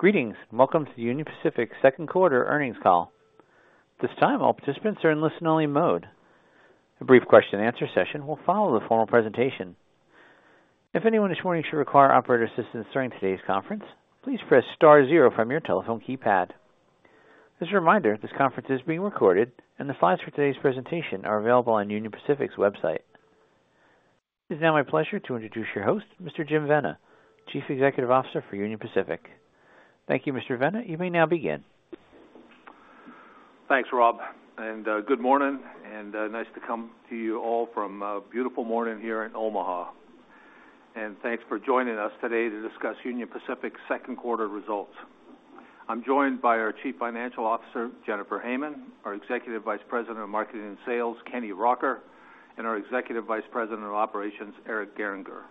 Greetings, and welcome to the Union Pacific Second Quarter Earnings Call. This time, all participants are in listen-only mode. A brief question-and-answer session will follow the formal presentation. If anyone this morning should require operator assistance during today's conference, please press star zero from your telephone keypad. As a reminder, this conference is being recorded and the files for today's presentation are available on Union Pacific's website. It is now my pleasure to introduce your host, Mr. Jim Vena, Chief Executive Officer for Union Pacific. Thank you, Mr. Vena. You may now begin. Thanks, Rob, and good morning, and nice to come to you all from a beautiful morning here in Omaha. Thanks for joining us today to discuss Union Pacific's second quarter results. I'm joined by our Chief Financial Officer, Jennifer Hamann, our Executive Vice President of Marketing and Sales, Kenny Rocker, and our Executive Vice President of Operations, Eric Gehringer.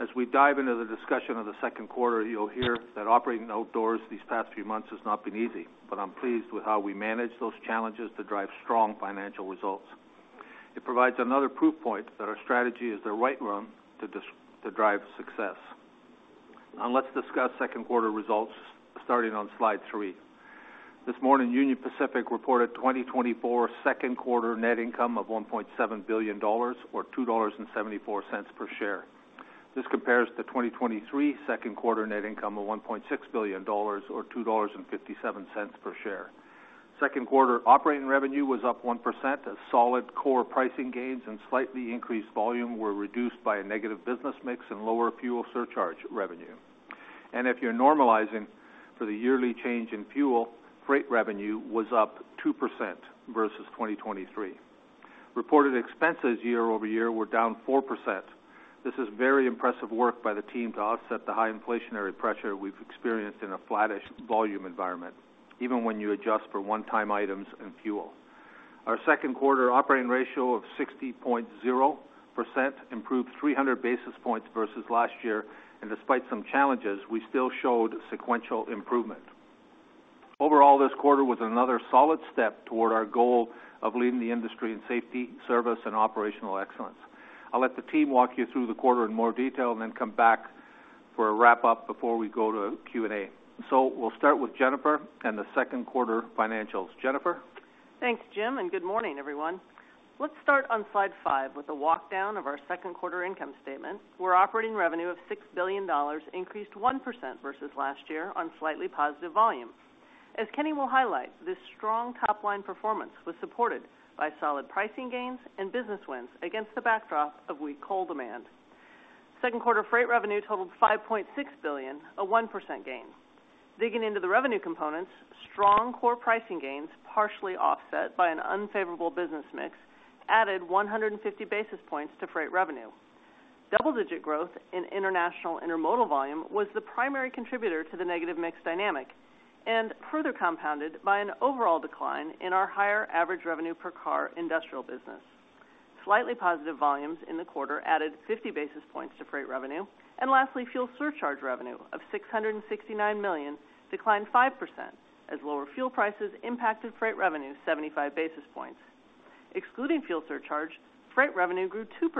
As we dive into the discussion of the second quarter, you'll hear that operating outdoors these past few months has not been easy, but I'm pleased with how we managed those challenges to drive strong financial results. It provides another proof point that our strategy is the right one to drive success. Now let's discuss second quarter results, starting on slide three. This morning, Union Pacific reported 2024 second quarter net income of $1.7 billion, or $2.74 per share. This compares to 2023 second quarter net income of $1.6 billion, or $2.57 per share. Second quarter operating revenue was up 1% as solid core pricing gains and slightly increased volume were reduced by a negative business mix and lower fuel surcharge revenue. If you're normalizing for the yearly change in fuel, freight revenue was up 2% versus 2023. Reported expenses year-over-year were down 4%. This is very impressive work by the team to offset the high inflationary pressure we've experienced in a flattish volume environment, even when you adjust for one-time items and fuel. Our second quarter operating ratio of 60.0 improved 300 basis points versus last year, and despite some challenges, we still showed sequential improvement. Overall, this quarter was another solid step toward our goal of leading the industry in safety, service, and operational excellence. I'll let the team walk you through the quarter in more detail and then come back for a wrap-up before we go to Q&A. So we'll start with Jennifer and the second quarter financials. Jennifer? Thanks, Jim, and good morning, everyone. Let's start on slide five with a walkdown of our second quarter income statement, where operating revenue of $6 billion increased 1% versus last year on slightly positive volume. As Kenny will highlight, this strong top-line performance was supported by solid pricing gains and business wins against the backdrop of weak coal demand. Second quarter freight revenue totaled $5.6 billion, a 1% gain. Digging into the revenue components, strong core pricing gains, partially offset by an unfavorable business mix, added 150 basis points to freight revenue. Double-digit growth in international intermodal volume was the primary contributor to the negative mix dynamic and further compounded by an overall decline in our higher average revenue per car industrial business. Slightly positive volumes in the quarter added 50 basis points to freight revenue. Lastly, fuel surcharge revenue of $669 million declined 5%, as lower fuel prices impacted freight revenue 75 basis points. Excluding fuel surcharge, freight revenue grew 2%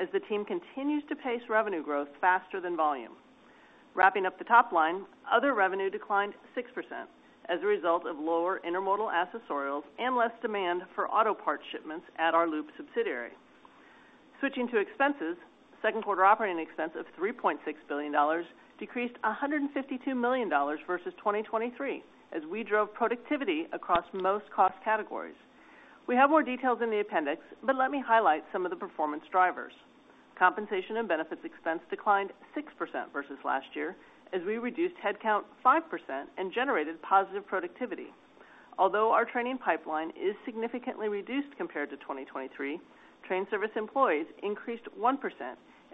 as the team continues to pace revenue growth faster than volume. Wrapping up the top line, other revenue declined 6% as a result of lower intermodal accessorials and less demand for auto parts shipments at our Loup subsidiary. Switching to expenses, second quarter operating expense of $3.6 billion decreased $152 million versus 2023 as we drove productivity across most cost categories. We have more details in the appendix, but let me highlight some of the performance drivers. Compensation and benefits expense declined 6% versus last year as we reduced headcount 5% and generated positive productivity. Although our training pipeline is significantly reduced compared to 2023, train service employees increased 1%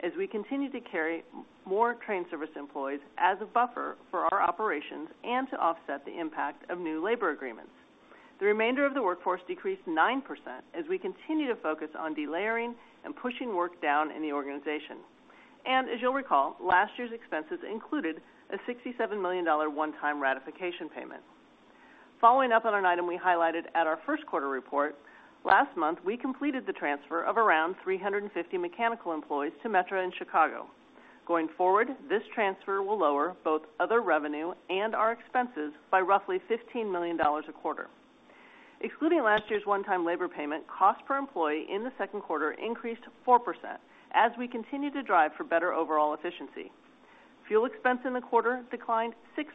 as we continue to carry more train service employees as a buffer for our operations and to offset the impact of new labor agreements. The remainder of the workforce decreased 9% as we continue to focus on delayering and pushing work down in the organization. As you'll recall, last year's expenses included a $67 million one-time ratification payment. Following up on an item we highlighted at our first quarter report, last month, we completed the transfer of around 350 mechanical employees to Metra in Chicago. Going forward, this transfer will lower both other revenue and our expenses by roughly $15 million a quarter. Excluding last year's one-time labor payment, cost per employee in the second quarter increased 4% as we continue to drive for better overall efficiency. Fuel expense in the quarter declined 6%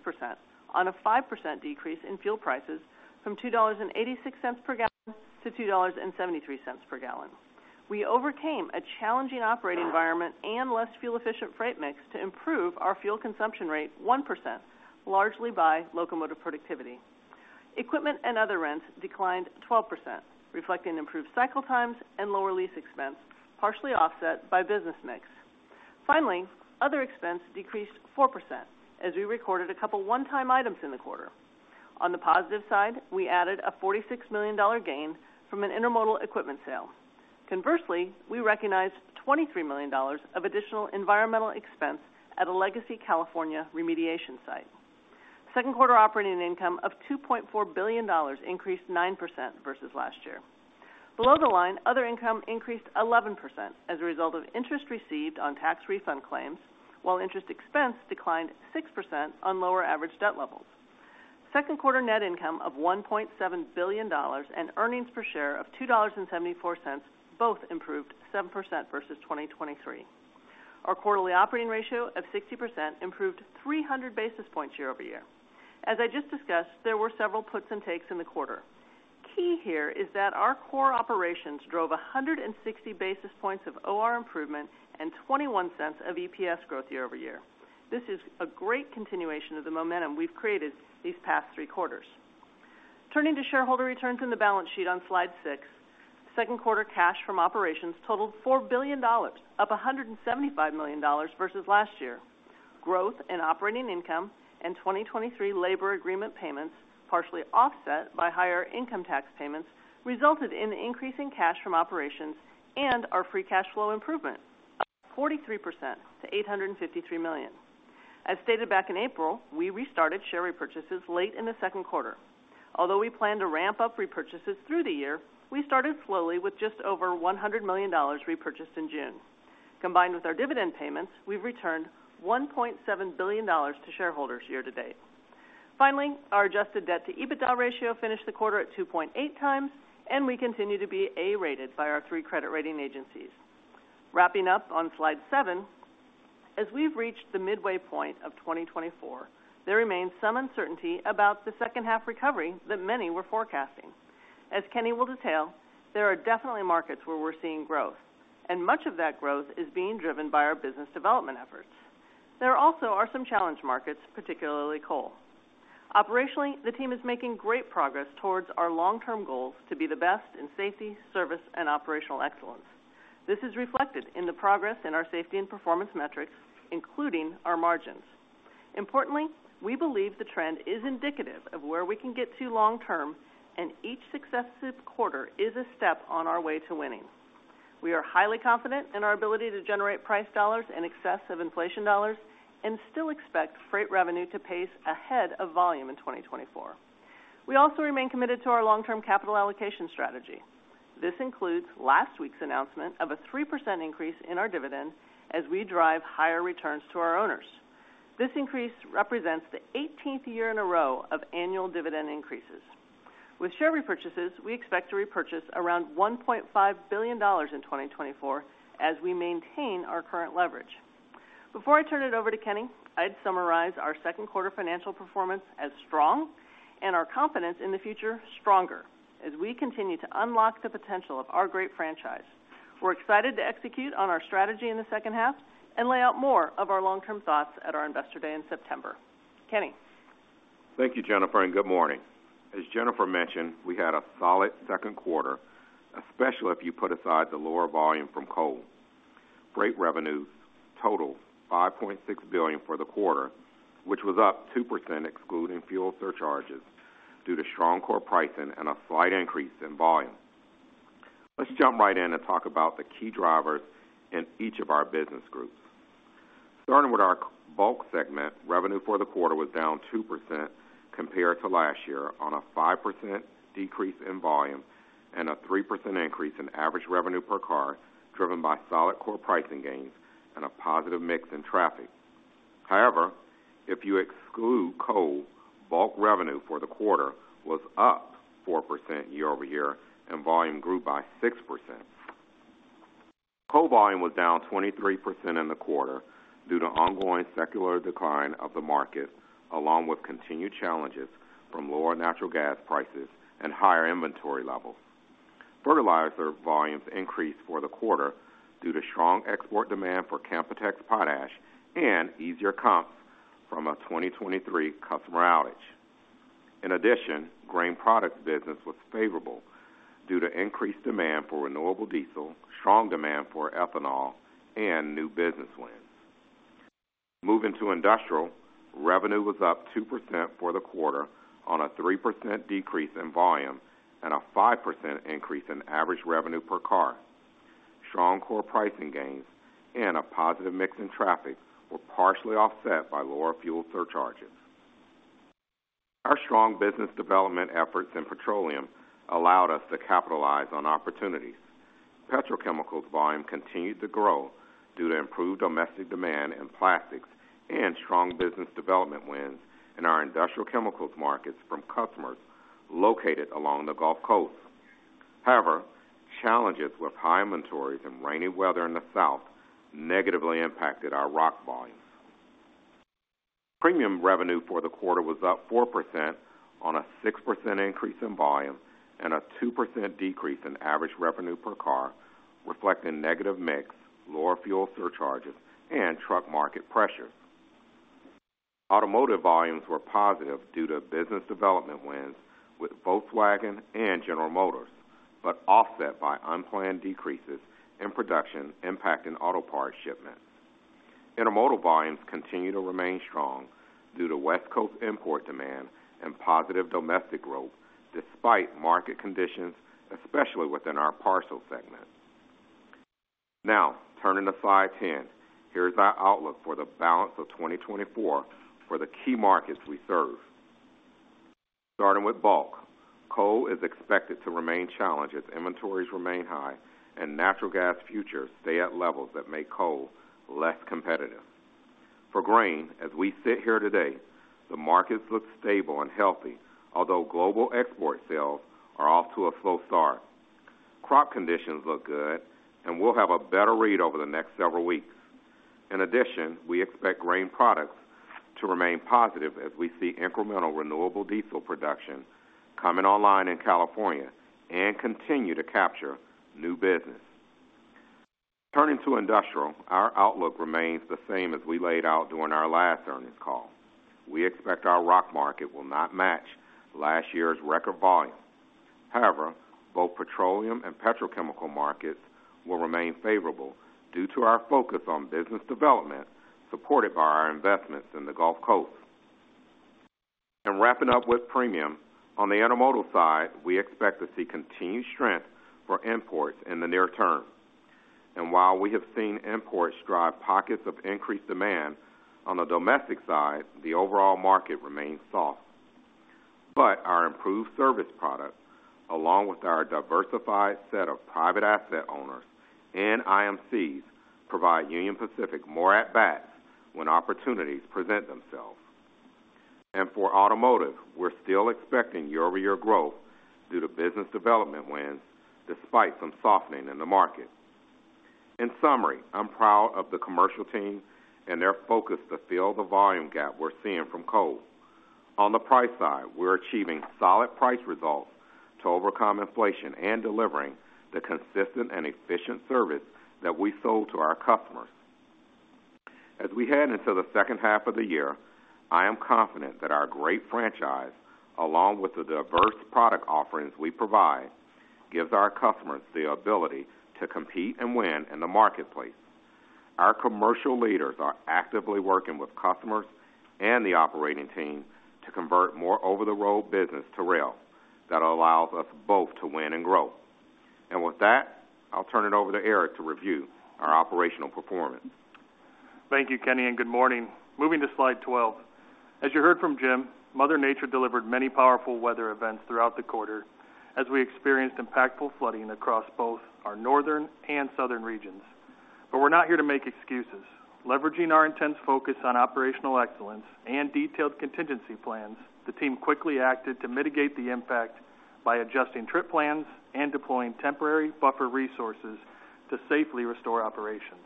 on a 5% decrease in fuel prices from $2.86 per gallon to $2.73 per gallon. We overcame a challenging operating environment and less fuel-efficient freight mix to improve our fuel consumption rate 1%, largely by locomotive productivity. Equipment and other rents declined 12%, reflecting improved cycle times and lower lease expense, partially offset by business mix. Finally, other expense decreased 4% as we recorded a couple one-time items in the quarter. On the positive side, we added a $46 million gain from an intermodal equipment sale. Conversely, we recognized $23 million of additional environmental expense at a legacy California remediation site.... Second quarter operating income of $2.4 billion increased 9% versus last year. Below the line, other income increased 11% as a result of interest received on tax refund claims, while interest expense declined 6% on lower average debt levels. Second quarter net income of $1.7 billion and earnings per share of $2.74, both improved 7% versus 2023. Our quarterly operating ratio of 60% improved 300 basis points year-over-year. As I just discussed, there were several puts and takes in the quarter. Key here is that our core operations drove 160 basis points of OR improvement and $0.21 of EPS growth year-over-year. This is a great continuation of the momentum we've created these past three quarters. Turning to shareholder returns in the balance sheet on slide six, second quarter cash from operations totaled $4 billion, up $175 million versus last year. Growth in operating income and 2023 labor agreement payments, partially offset by higher income tax payments, resulted in the increase in cash from operations and our free cash flow improvement of 43% to $853 million. As stated back in April, we restarted share repurchases late in the second quarter. Although we plan to ramp up repurchases through the year, we started slowly with just over $100 million repurchased in June. Combined with our dividend payments, we've returned $1.7 billion to shareholders year to date. Finally, our adjusted debt-to-EBITDA ratio finished the quarter at 2.8 times, and we continue to be A-rated by our three credit rating agencies. Wrapping up on slide 7, as we've reached the midway point of 2024, there remains some uncertainty about the second half recovery that many were forecasting. As Kenny will detail, there are definitely markets where we're seeing growth, and much of that growth is being driven by our business development efforts. There also are some challenge markets, particularly coal. Operationally, the team is making great progress towards our long-term goals to be the best in safety, service, and operational excellence. This is reflected in the progress in our safety and performance metrics, including our margins. Importantly, we believe the trend is indicative of where we can get to long term, and each successive quarter is a step on our way to winning. We are highly confident in our ability to generate price dollars in excess of inflation dollars and still expect freight revenue to pace ahead of volume in 2024. We also remain committed to our long-term capital allocation strategy. This includes last week's announcement of a 3% increase in our dividend as we drive higher returns to our owners. This increase represents the 18th year in a row of annual dividend increases. With share repurchases, we expect to repurchase around $1.5 billion in 2024 as we maintain our current leverage. Before I turn it over to Kenny, I'd summarize our second quarter financial performance as strong and our confidence in the future, stronger, as we continue to unlock the potential of our great franchise. We're excited to execute on our strategy in the second half and lay out more of our long-term thoughts at our Investor Day in September. Kenny? Thank you, Jennifer, and good morning. As Jennifer mentioned, we had a solid second quarter, especially if you put aside the lower volume from coal. Freight revenues totaled $5.6 billion for the quarter, which was up 2%, excluding fuel surcharges, due to strong core pricing and a slight increase in volume. Let's jump right in and talk about the key drivers in each of our business groups. Starting with our Bulk segment, revenue for the quarter was down 2% compared to last year on a 5% decrease in volume and a 3% increase in average revenue per car, driven by solid core pricing gains and a positive mix in traffic. However, if you exclude coal, Bulk revenue for the quarter was up 4% year-over-year, and volume grew by 6%. Coal volume was down 23% in the quarter due to ongoing secular decline of the market, along with continued challenges from lower natural gas prices and higher inventory levels. Fertilizer volumes increased for the quarter due to strong export demand for Canpotex potash and easier comps from a 2023 customer outage. In addition, Grain Products business was favorable due to increased demand for renewable diesel, strong demand for ethanol, and new business wins. Moving to Industrial, revenue was up 2% for the quarter on a 3% decrease in volume and a 5% increase in average revenue per car. Strong core pricing gains and a positive mix in traffic were partially offset by lower fuel surcharges. Our strong business development efforts in petroleum allowed us to capitalize on opportunities. Petrochemicals volume continued to grow due to improved domestic demand in plastics and strong business development wins in our industrial chemicals markets from customers located along the Gulf Coast. However, challenges with high inventories and rainy weather in the South negatively impacted our rock volume. Premium revenue for the quarter was up 4% on a 6% increase in volume and a 2% decrease in average revenue per car, reflecting negative mix, lower fuel surcharges, and truck market pressure. Automotive volumes were positive due to business development wins with both Volkswagen and General Motors, but offset by unplanned decreases in production impacting auto parts shipments. Intermodal volumes continue to remain strong due to West Coast import demand and positive domestic growth despite market conditions, especially within our parcel segment.... Now, turning to slide 10, here's our outlook for the balance of 2024 for the key markets we serve. Starting with Bulk, coal is expected to remain challenged as inventories remain high and natural gas futures stay at levels that make coal less competitive. For grain, as we sit here today, the markets look stable and healthy, although global export sales are off to a slow start. Crop conditions look good, and we'll have a better read over the next several weeks. In addition, we expect Grain Products to remain positive as we see incremental renewable diesel production coming online in California and continue to capture new business. Turning to Industrial, our outlook remains the same as we laid out during our last earnings call. We expect our rock market will not match last year's record volume. However, both petroleum and petrochemical markets will remain favorable due to our focus on business development, supported by our investments in the Gulf Coast. And wrapping up with Premium, on the intermodal side, we expect to see continued strength for imports in the near term. And while we have seen imports drive pockets of increased demand, on the domestic side, the overall market remains soft. But our improved service product, along with our diversified set of private asset owners and IMCs, provide Union Pacific more at-bats when opportunities present themselves. And for automotive, we're still expecting year-over-year growth due to business development wins, despite some softening in the market. In summary, I'm proud of the commercial team and their focus to fill the volume gap we're seeing from coal. On the price side, we're achieving solid price results to overcome inflation and delivering the consistent and efficient service that we sold to our customers. As we head into the second half of the year, I am confident that our great franchise, along with the diverse product offerings we provide, gives our customers the ability to compete and win in the marketplace. Our commercial leaders are actively working with customers and the operating team to convert more over-the-road business to rail that allows us both to win and grow. And with that, I'll turn it over to Eric to review our operational performance. Thank you, Kenny, and good morning. Moving to slide 12. As you heard from Jim, Mother Nature delivered many powerful weather events throughout the quarter as we experienced impactful flooding across both our northern and southern regions. But we're not here to make excuses. Leveraging our intense focus on operational excellence and detailed contingency plans, the team quickly acted to mitigate the impact by adjusting trip plans and deploying temporary buffer resources to safely restore operations.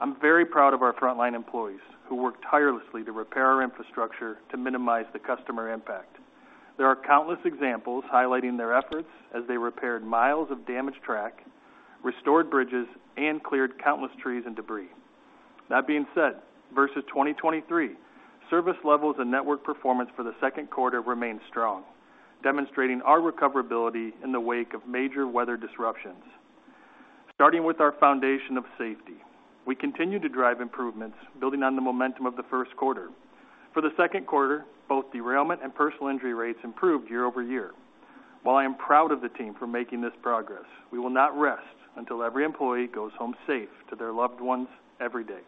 I'm very proud of our frontline employees, who worked tirelessly to repair our infrastructure to minimize the customer impact. There are countless examples highlighting their efforts as they repaired miles of damaged track, restored bridges, and cleared countless trees and debris. That being said, versus 2023, service levels and network performance for the second quarter remained strong, demonstrating our recoverability in the wake of major weather disruptions. Starting with our foundation of safety, we continue to drive improvements, building on the momentum of the first quarter. For the second quarter, both derailment and personal injury rates improved year-over-year. While I am proud of the team for making this progress, we will not rest until every employee goes home safe to their loved ones every day.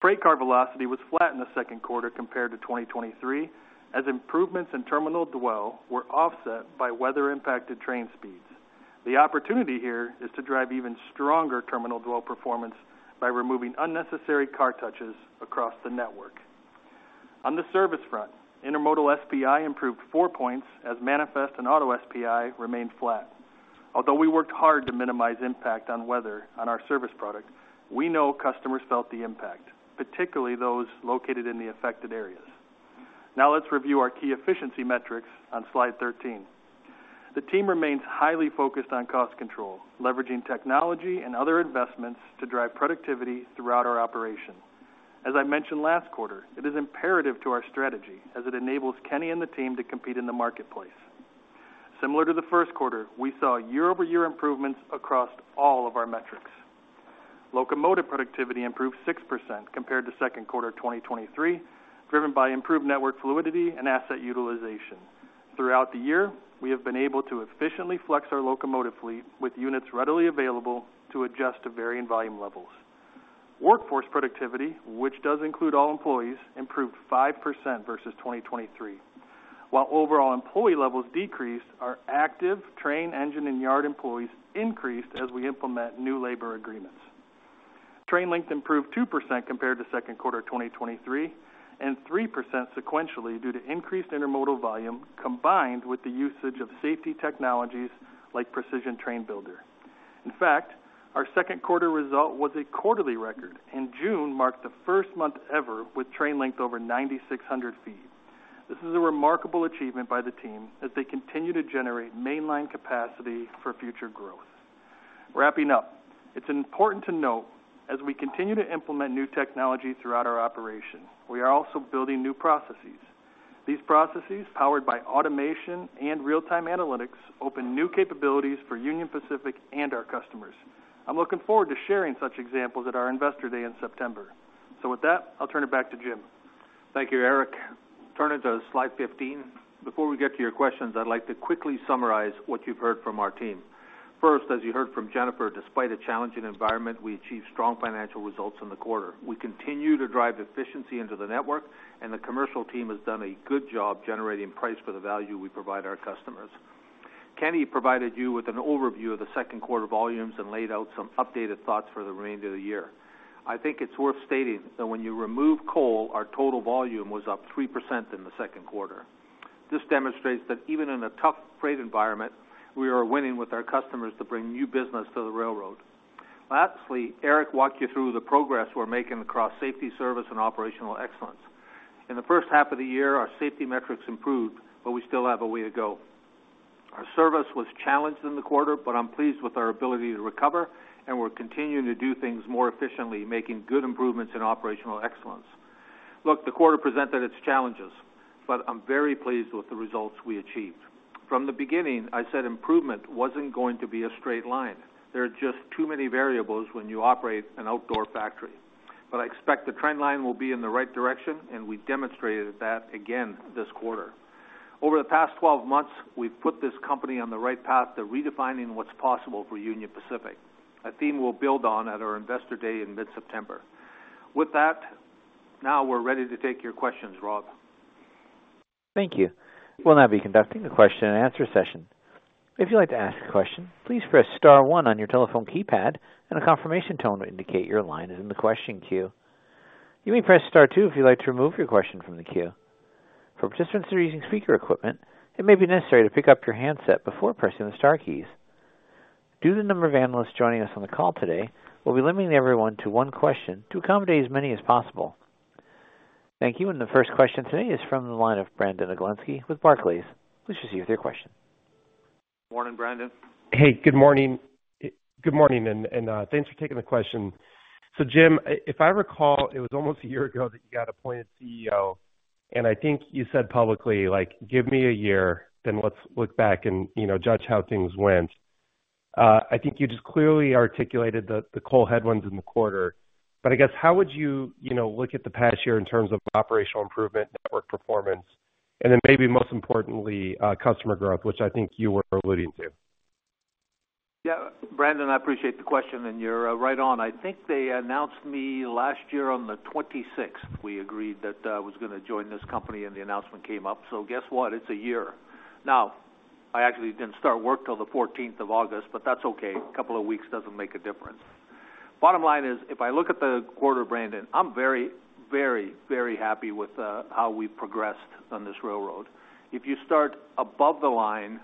Freight car velocity was flat in the second quarter compared to 2023, as improvements in terminal dwell were offset by weather-impacted train speeds. The opportunity here is to drive even stronger terminal dwell performance by removing unnecessary car touches across the network. On the service front, intermodal SPI improved 4 points as manifest and auto SPI remained flat. Although we worked hard to minimize impact on weather on our service product, we know customers felt the impact, particularly those located in the affected areas. Now let's review our key efficiency metrics on slide 13. The team remains highly focused on cost control, leveraging technology and other investments to drive productivity throughout our operation. As I mentioned last quarter, it is imperative to our strategy as it enables Kenny and the team to compete in the marketplace. Similar to the first quarter, we saw year-over-year improvements across all of our metrics. Locomotive productivity improved 6% compared to second quarter 2023, driven by improved network fluidity and asset utilization. Throughout the year, we have been able to efficiently flex our locomotive fleet with units readily available to adjust to varying volume levels. Workforce productivity, which does include all employees, improved 5% versus 2023. While overall employee levels decreased, our active train engine and yard employees increased as we implement new labor agreements. Train length improved 2% compared to second quarter 2023, and 3% sequentially due to increased intermodal volume, combined with the usage of safety technologies like Precision Train Builder. In fact, our second quarter result was a quarterly record, and June marked the first month ever with train length over 9,600 feet. This is a remarkable achievement by the team as they continue to generate mainline capacity for future growth. Wrapping up, it's important to note, as we continue to implement new technology throughout our operation, we are also building new processes. These processes, powered by automation and real-time analytics, open new capabilities for Union Pacific and our customers. I'm looking forward to sharing such examples at our Investor Day in September. So with that, I'll turn it back to Jim. Thank you, Eric. Turn to slide 15. Before we get to your questions, I'd like to quickly summarize what you've heard from our team. First, as you heard from Jennifer, despite a challenging environment, we achieved strong financial results in the quarter. We continue to drive efficiency into the network, and the commercial team has done a good job generating price for the value we provide our customers. Kenny provided you with an overview of the second quarter volumes and laid out some updated thoughts for the remainder of the year. I think it's worth stating that when you remove coal, our total volume was up 3% in the second quarter. This demonstrates that even in a tough freight environment, we are winning with our customers to bring new business to the railroad. Lastly, Eric walked you through the progress we're making across safety, service, and operational excellence. In the first half of the year, our safety metrics improved, but we still have a way to go. Our service was challenged in the quarter, but I'm pleased with our ability to recover, and we're continuing to do things more efficiently, making good improvements in operational excellence. Look, the quarter presented its challenges, but I'm very pleased with the results we achieved. From the beginning, I said improvement wasn't going to be a straight line. There are just too many variables when you operate an outdoor factory. But I expect the trend line will be in the right direction, and we demonstrated that again this quarter. Over the past 12 months, we've put this company on the right path to redefining what's possible for Union Pacific, a theme we'll build on at our Investor Day in mid-September. With that, now we're ready to take your questions, Rob. Thank you. We'll now be conducting a question-and-answer session. If you'd like to ask a question, please press star one on your telephone keypad, and a confirmation tone to indicate your line is in the question queue. You may press star two if you'd like to remove your question from the queue. For participants that are using speaker equipment, it may be necessary to pick up your handset before pressing the star keys. Due to the number of analysts joining us on the call today, we'll be limiting everyone to one question to accommodate as many as possible. Thank you. The first question today is from the line of Brandon Oglenski with Barclays. Please proceed with your question. Morning, Brandon. Hey, good morning. Good morning, and, thanks for taking the question. So, Jim, if I recall, it was almost a year ago that you got appointed CEO, and I think you said publicly, like, "Give me a year, then let's look back and, you know, judge how things went." I think you just clearly articulated the coal headwinds in the quarter. But I guess, how would you, you know, look at the past year in terms of operational improvement, network performance, and then maybe most importantly, customer growth, which I think you were alluding to? Yeah, Brandon, I appreciate the question, and you're right on. I think they announced me last year on the 26th. We agreed that I was gonna join this company and the announcement came up. So guess what? It's a year. Now, I actually didn't start work till the 14th of August, but that's okay. A couple of weeks doesn't make a difference. Bottom line is, if I look at the quarter, Brandon, I'm very, very, very happy with how we've progressed on this railroad. If you start above the line,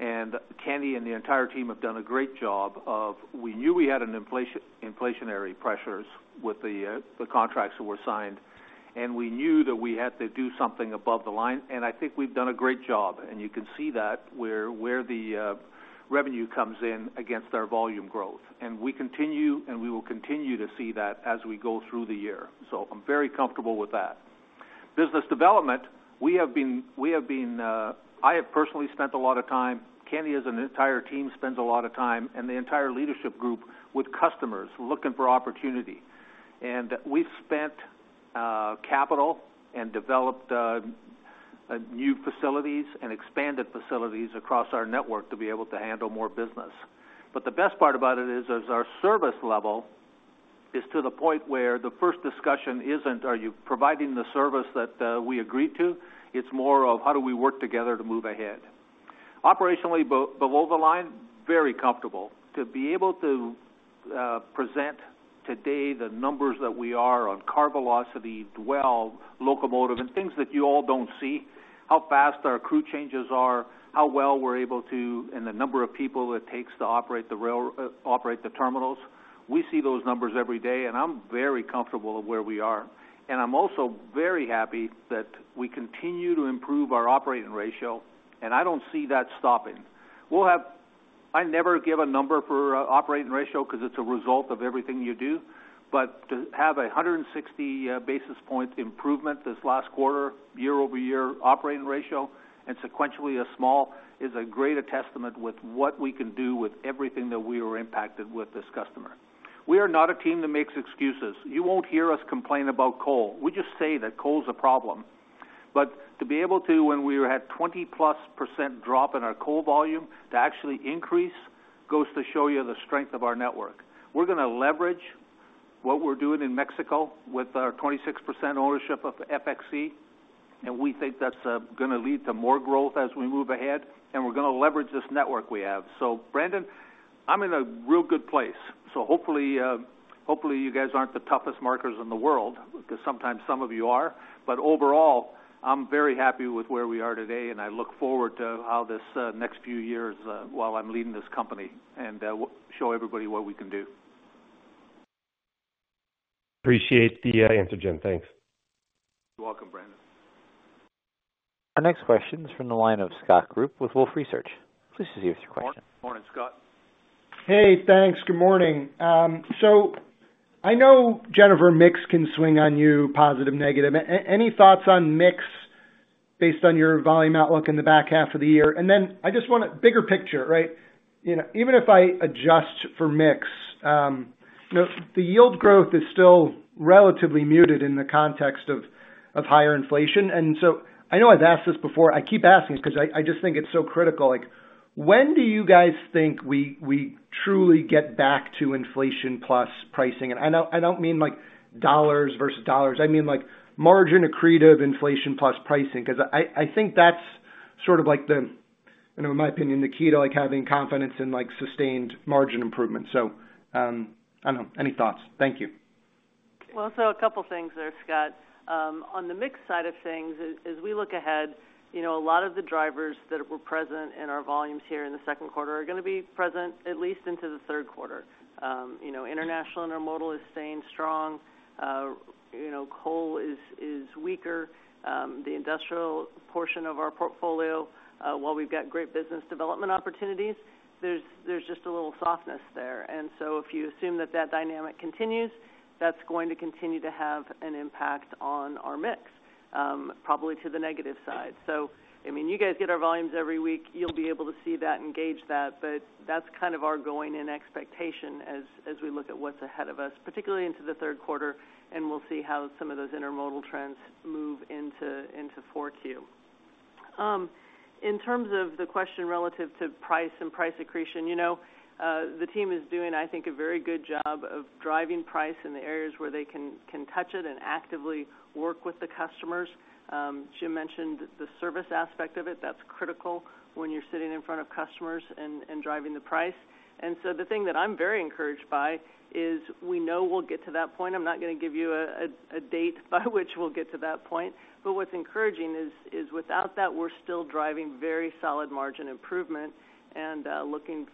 and Kenny and the entire team have done a great job of, we knew we had an inflation-inflationary pressures with the, the contracts that were signed, and we knew that we had to do something above the line, and I think we've done a great job, and you can see that where, where the revenue comes in against our volume growth. And we continue, and we will continue to see that as we go through the year. So I'm very comfortable with that. Business development, we have been, we have been, I have personally spent a lot of time, Kenny and the entire team spends a lot of time, and the entire leadership group, with customers looking for opportunity. We've spent capital and developed new facilities and expanded facilities across our network to be able to handle more business. But the best part about it is our service level is to the point where the first discussion isn't, Are you providing the service that we agreed to? It's more of, How do we work together to move ahead? Operationally, below the line, very comfortable. To be able to present today the numbers that we are on car velocity, dwell, locomotive, and things that you all don't see, how fast our crew changes are, how well we're able to, and the number of people it takes to operate the terminals. We see those numbers every day, and I'm very comfortable of where we are. I'm also very happy that we continue to improve our operating ratio, and I don't see that stopping. We'll have. I never give a number for operating ratio because it's a result of everything you do. But to have 160 basis point improvement this last quarter, year-over-year operating ratio and sequentially a small, is a greater testament with what we can do with everything that we were impacted with this customer. We are not a team that makes excuses. You won't hear us complain about coal. We just say that coal is a problem. But to be able to, when we had 20%+ drop in our coal volume, to actually increase, goes to show you the strength of our network. We're gonna leverage what we're doing in Mexico with our 26% ownership of FXE, and we think that's gonna lead to more growth as we move ahead, and we're gonna leverage this network we have. So Brandon, I'm in a real good place. So hopefully, hopefully, you guys aren't the toughest markers in the world, because sometimes some of you are. But overall, I'm very happy with where we are today, and I look forward to how this next few years while I'm leading this company and show everybody what we can do. Appreciate the answer, Jim. Thanks. You're welcome, Brandon. Our next question is from the line of Scott Group with Wolfe Research. Please proceed with your question. Morning, Scott. Hey, thanks. Good morning. So I know, Jennifer, mix can swing on you positive, negative. Any thoughts on mix? Based on your volume outlook in the back half of the year. And then I just want the bigger picture, right? You know, even if I adjust for mix, you know, the yield growth is still relatively muted in the context of higher inflation. And so I know I've asked this before. I keep asking because I just think it's so critical, like, when do you guys think we truly get back to inflation plus pricing? And I know—I don't mean like dollars versus dollars. I mean like margin accretive inflation plus pricing, because I think that's sort of like the, you know, in my opinion, the key to like, having confidence in, like, sustained margin improvement. So, I don't know. Any thoughts? Thank you. Well, so a couple of things there, Scott. On the mix side of things, as we look ahead, you know, a lot of the drivers that were present in our volumes here in the second quarter are going to be present at least into the third quarter. You know, international intermodal is staying strong, you know, coal is weaker. The Industrial portion of our portfolio, while we've got great business development opportunities, there's just a little softness there. And so if you assume that that dynamic continues, that's going to continue to have an impact on our mix, probably to the negative side. So, I mean, you guys get our volumes every week, you'll be able to see that and gauge that, but that's kind of our going in expectation as we look at what's ahead of us, particularly into the third quarter, and we'll see how some of those intermodal trends move into 4Q. In terms of the question relative to price and price accretion, you know, the team is doing, I think, a very good job of driving price in the areas where they can touch it and actively work with the customers. Jim mentioned the service aspect of it. That's critical when you're sitting in front of customers and driving the price. And so the thing that I'm very encouraged by is we know we'll get to that point. I'm not going to give you a date by which we'll get to that point, but what's encouraging is without that, we're still driving very solid margin improvement and looking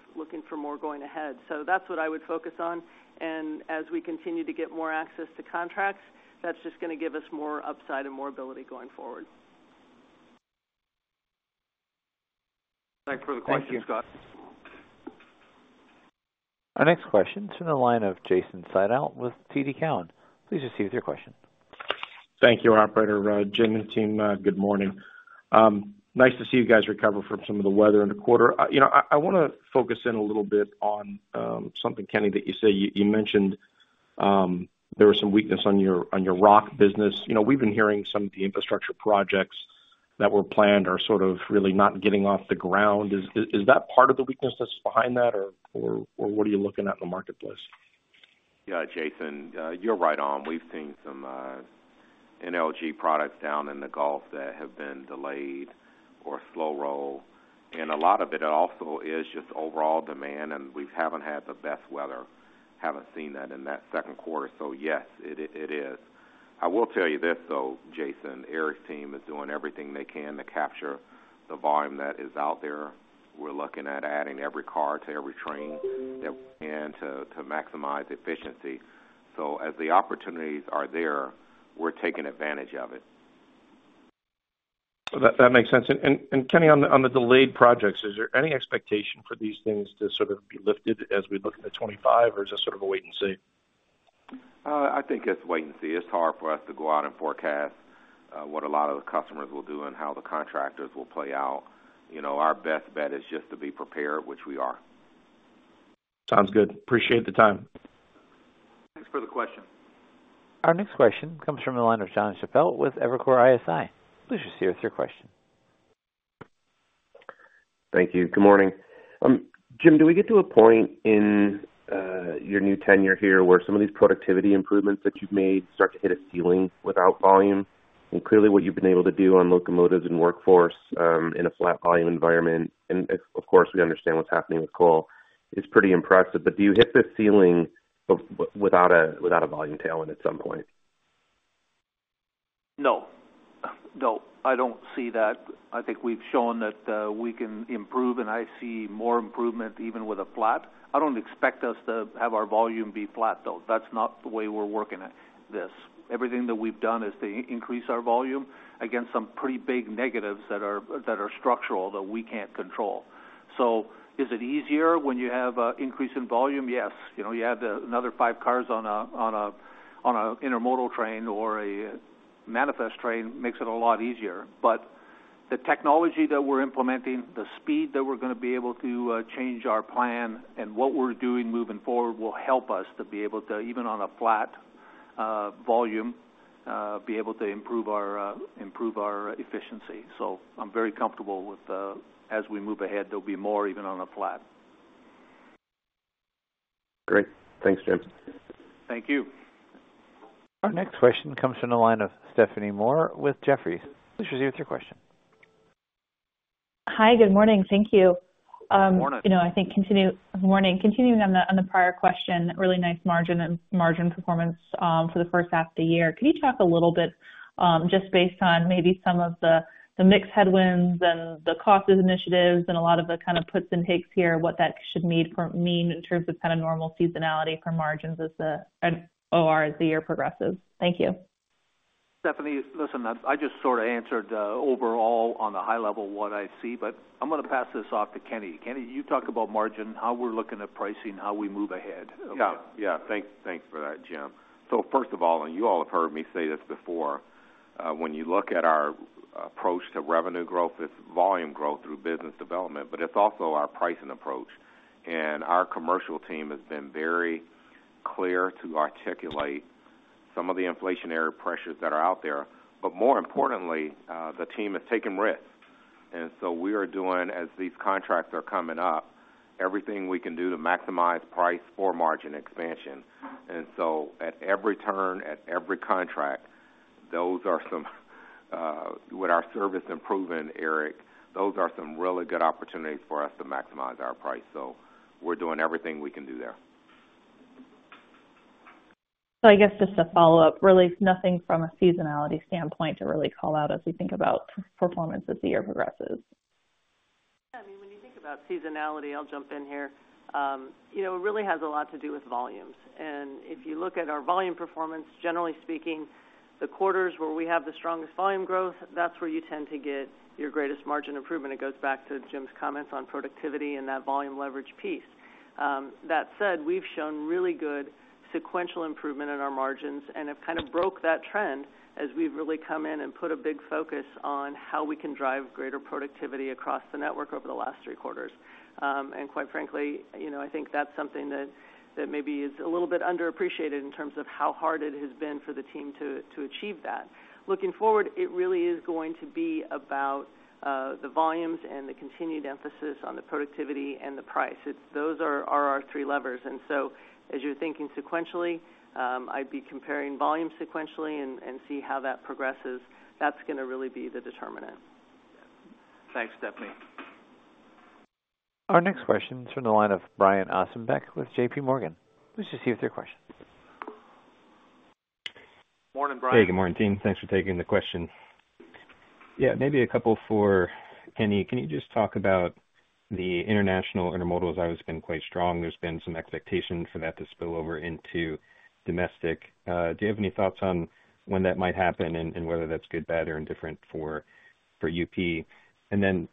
for more going ahead. So that's what I would focus on. And as we continue to get more access to contracts, that's just going to give us more upside and more ability going forward. Thanks for the question, Scott. Thank you. Our next question is in the line of Jason Seidl with TD Cowen. Please proceed with your question. Thank you, operator. Jim and team, good morning. Nice to see you guys recover from some of the weather in the quarter. You know, I want to focus in a little bit on something, Kenny, that you say. You mentioned there was some weakness on your rock business. You know, we've been hearing some of the infrastructure projects that were planned are sort of really not getting off the ground. Is that part of the weakness that's behind that, or what are you looking at in the marketplace? Yeah, Jason, you're right on. We've seen some LNG products down in the Gulf that have been delayed or slow roll, and a lot of it also is just overall demand, and we haven't had the best weather. Haven't seen that in that second quarter. So yes, it is, it is. I will tell you this, though, Jason, Eric's team is doing everything they can to capture the volume that is out there. We're looking at adding every car to every train that we can to, to maximize efficiency. So as the opportunities are there, we're taking advantage of it. That makes sense. And, Kenny, on the delayed projects, is there any expectation for these things to sort of be lifted as we look into 2025, or is this sort of a wait and see? I think it's wait and see. It's hard for us to go out and forecast what a lot of the customers will do and how the contractors will play out. You know, our best bet is just to be prepared, which we are. Sounds good. Appreciate the time. Thanks for the question. Our next question comes from the line of John Chappell with Evercore ISI. Please proceed with your question. Thank you. Good morning. Jim, do we get to a point in your new tenure here where some of these productivity improvements that you've made start to hit a ceiling without volume? And clearly, what you've been able to do on locomotives and workforce in a flat volume environment, and of course, we understand what's happening with coal, is pretty impressive. But do you hit the ceiling without a volume tailwind at some point? No. No, I don't see that. I think we've shown that we can improve, and I see more improvement even with a flat. I don't expect us to have our volume be flat, though. That's not the way we're working at this. Everything that we've done is to increase our volume against some pretty big negatives that are, that are structural, that we can't control. So is it easier when you have increase in volume? Yes. You know, you add another 5 cars on an intermodal train or a manifest train, makes it a lot easier. But the technology that we're implementing, the speed that we're going to be able to change our plan and what we're doing moving forward, will help us to be able to, even on a flat volume, be able to improve our efficiency. So I'm very comfortable with, as we move ahead, there'll be more even on a flat. Great. Thanks, Jim. Thank you. Our next question comes from the line of Stephanie Moore with Jefferies. Please proceed with your question. Hi, good morning. Thank you. Good morning. You know, good morning. Continuing on the prior question, really nice margin and margin performance for the first half of the year. Can you talk a little bit, just based on maybe some of the mix headwinds and the cost initiatives and a lot of the kind of puts and takes here, what that should mean in terms of kind of normal seasonality for margins and OR as the year progresses? Thank you. Stephanie, listen, I just sort of answered overall on the high level what I see, but I'm going to pass this off to Kenny. Kenny, you talk about margin, how we're looking at pricing, how we move ahead. Yeah. Yeah. Thanks, thanks for that, Jim. So first of all, and you all have heard me say this before, when you look at our approach to revenue growth, it's volume growth through business development, but it's also our pricing approach. And our commercial team has been very clear to articulate some of the inflationary pressures that are out there. But more importantly, the team has taken risk. And so we are doing, as these contracts are coming up, everything we can do to maximize price or margin expansion. And so at every turn, at every contract, those are some, with our service improvement, Eric, those are some really good opportunities for us to maximize our price. So we're doing everything we can do there. I guess just a follow-up, really, nothing from a seasonality standpoint to really call out as we think about performance as the year progresses? Yeah, I mean, when you think about seasonality, I'll jump in here, you know, it really has a lot to do with volumes. And if you look at our volume performance, generally speaking, the quarters where we have the strongest volume growth, that's where you tend to get your greatest margin improvement. It goes back to Jim's comments on productivity and that volume leverage piece. That said, we've shown really good sequential improvement in our margins and have kind of broke that trend as we've really come in and put a big focus on how we can drive greater productivity across the network over the last three quarters. And quite frankly, you know, I think that's something that, that maybe is a little bit underappreciated in terms of how hard it has been for the team to, to achieve that. Looking forward, it really is going to be about the volumes and the continued emphasis on the productivity and the price. It's those are our three levers. And so as you're thinking sequentially, I'd be comparing volume sequentially and see how that progresses. That's gonna really be the determinant. Thanks, Stephanie. Our next question is from the line of Brian Ossenbeck with JPMorgan. Please proceed with your question. Morning, Brian. Hey, good morning, team. Thanks for taking the question. Yeah, maybe a couple for Kenny. Can you just talk about the international intermodals? I know it's been quite strong. There's been some expectation for that to spill over into domestic. Do you have any thoughts on when that might happen and whether that's good, bad, or indifferent for UP? And then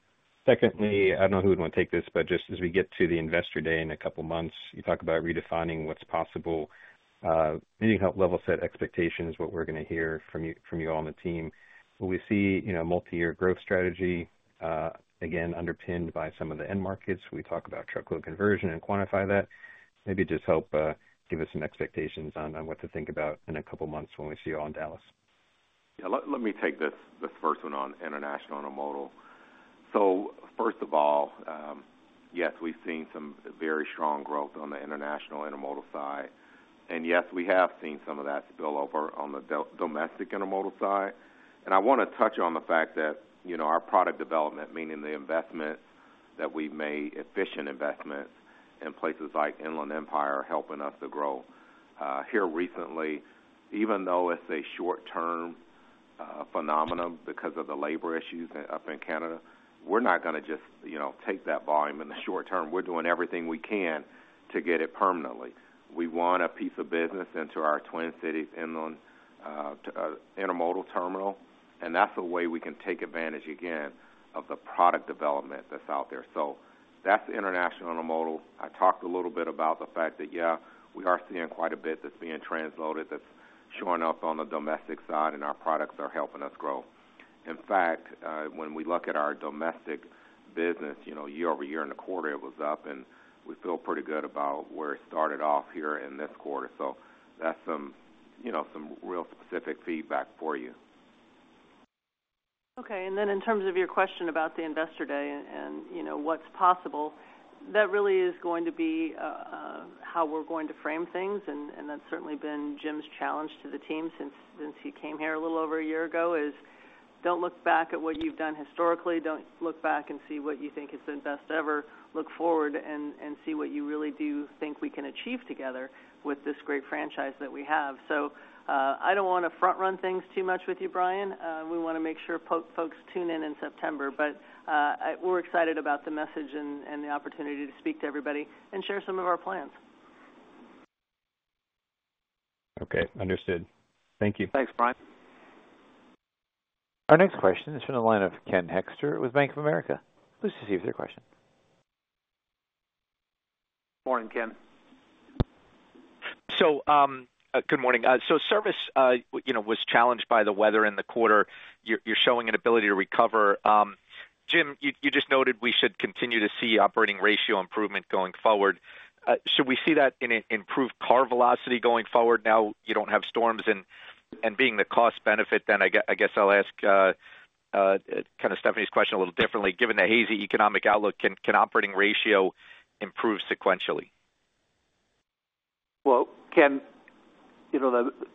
secondly, I don't know who would want to take this, but just as we get to the Investor Day in a couple of months, you talk about redefining what's possible. Maybe help level set expectations, what we're gonna hear from you all on the team. Will we see, you know, multi-year growth strategy, again, underpinned by some of the end markets? Will you talk about truckload conversion and quantify that? Maybe just help give us some expectations on what to think about in a couple of months when we see you all in Dallas. Yeah, let me take this first one on international intermodal. So first of all, yes, we've seen some very strong growth on the international intermodal side. And yes, we have seen some of that spill over on the domestic intermodal side. And I wanna touch on the fact that, you know, our product development, meaning the investment that we've made, efficient investment in places like Inland Empire, are helping us to grow. Here recently, even though it's a short term phenomenon because of the labor issues up in Canada, we're not gonna just, you know, take that volume in the short term. We're doing everything we can to get it permanently. We want a piece of business into our Twin Cities inland intermodal terminal, and that's the way we can take advantage again, of the product development that's out there. So that's the international intermodal. I talked a little bit about the fact that, yeah, we are seeing quite a bit that's being transloaded, that's showing up on the domestic side, and our products are helping us grow. In fact, when we look at our domestic business, you know, year-over-year in the quarter, it was up, and we feel pretty good about where it started off here in this quarter. So that's some, you know, some real specific feedback for you. Okay, and then in terms of your question about the Investor Day and, and you know, what's possible, that really is going to be how we're going to frame things, and, and that's certainly been Jim's challenge to the team since, since he came here a little over a year ago, is don't look back at what you've done historically. Don't look back and see what you think is the best ever. Look forward and, and see what you really do think we can achieve together with this great franchise that we have. So, I don't wanna front-run things too much with you, Brian. We wanna make sure folks tune in in September, but, we're excited about the message and, and the opportunity to speak to everybody and share some of our plans. Okay, understood. Thank you. Thanks, Brian. Our next question is from the line of Ken Hoexter with Bank of America. Please proceed with your question. Morning, Ken. Good morning. Service, you know, was challenged by the weather in the quarter. You're, you're showing an ability to recover. Jim, you, you just noted we should continue to see operating ratio improvement going forward. Should we see that in an improved car velocity going forward now, you don't have storms? And being the cost benefit, then I guess I'll ask kind of Stephanie's question a little differently: given the hazy economic outlook, can operating ratio improve sequentially? Well, Ken, you know, the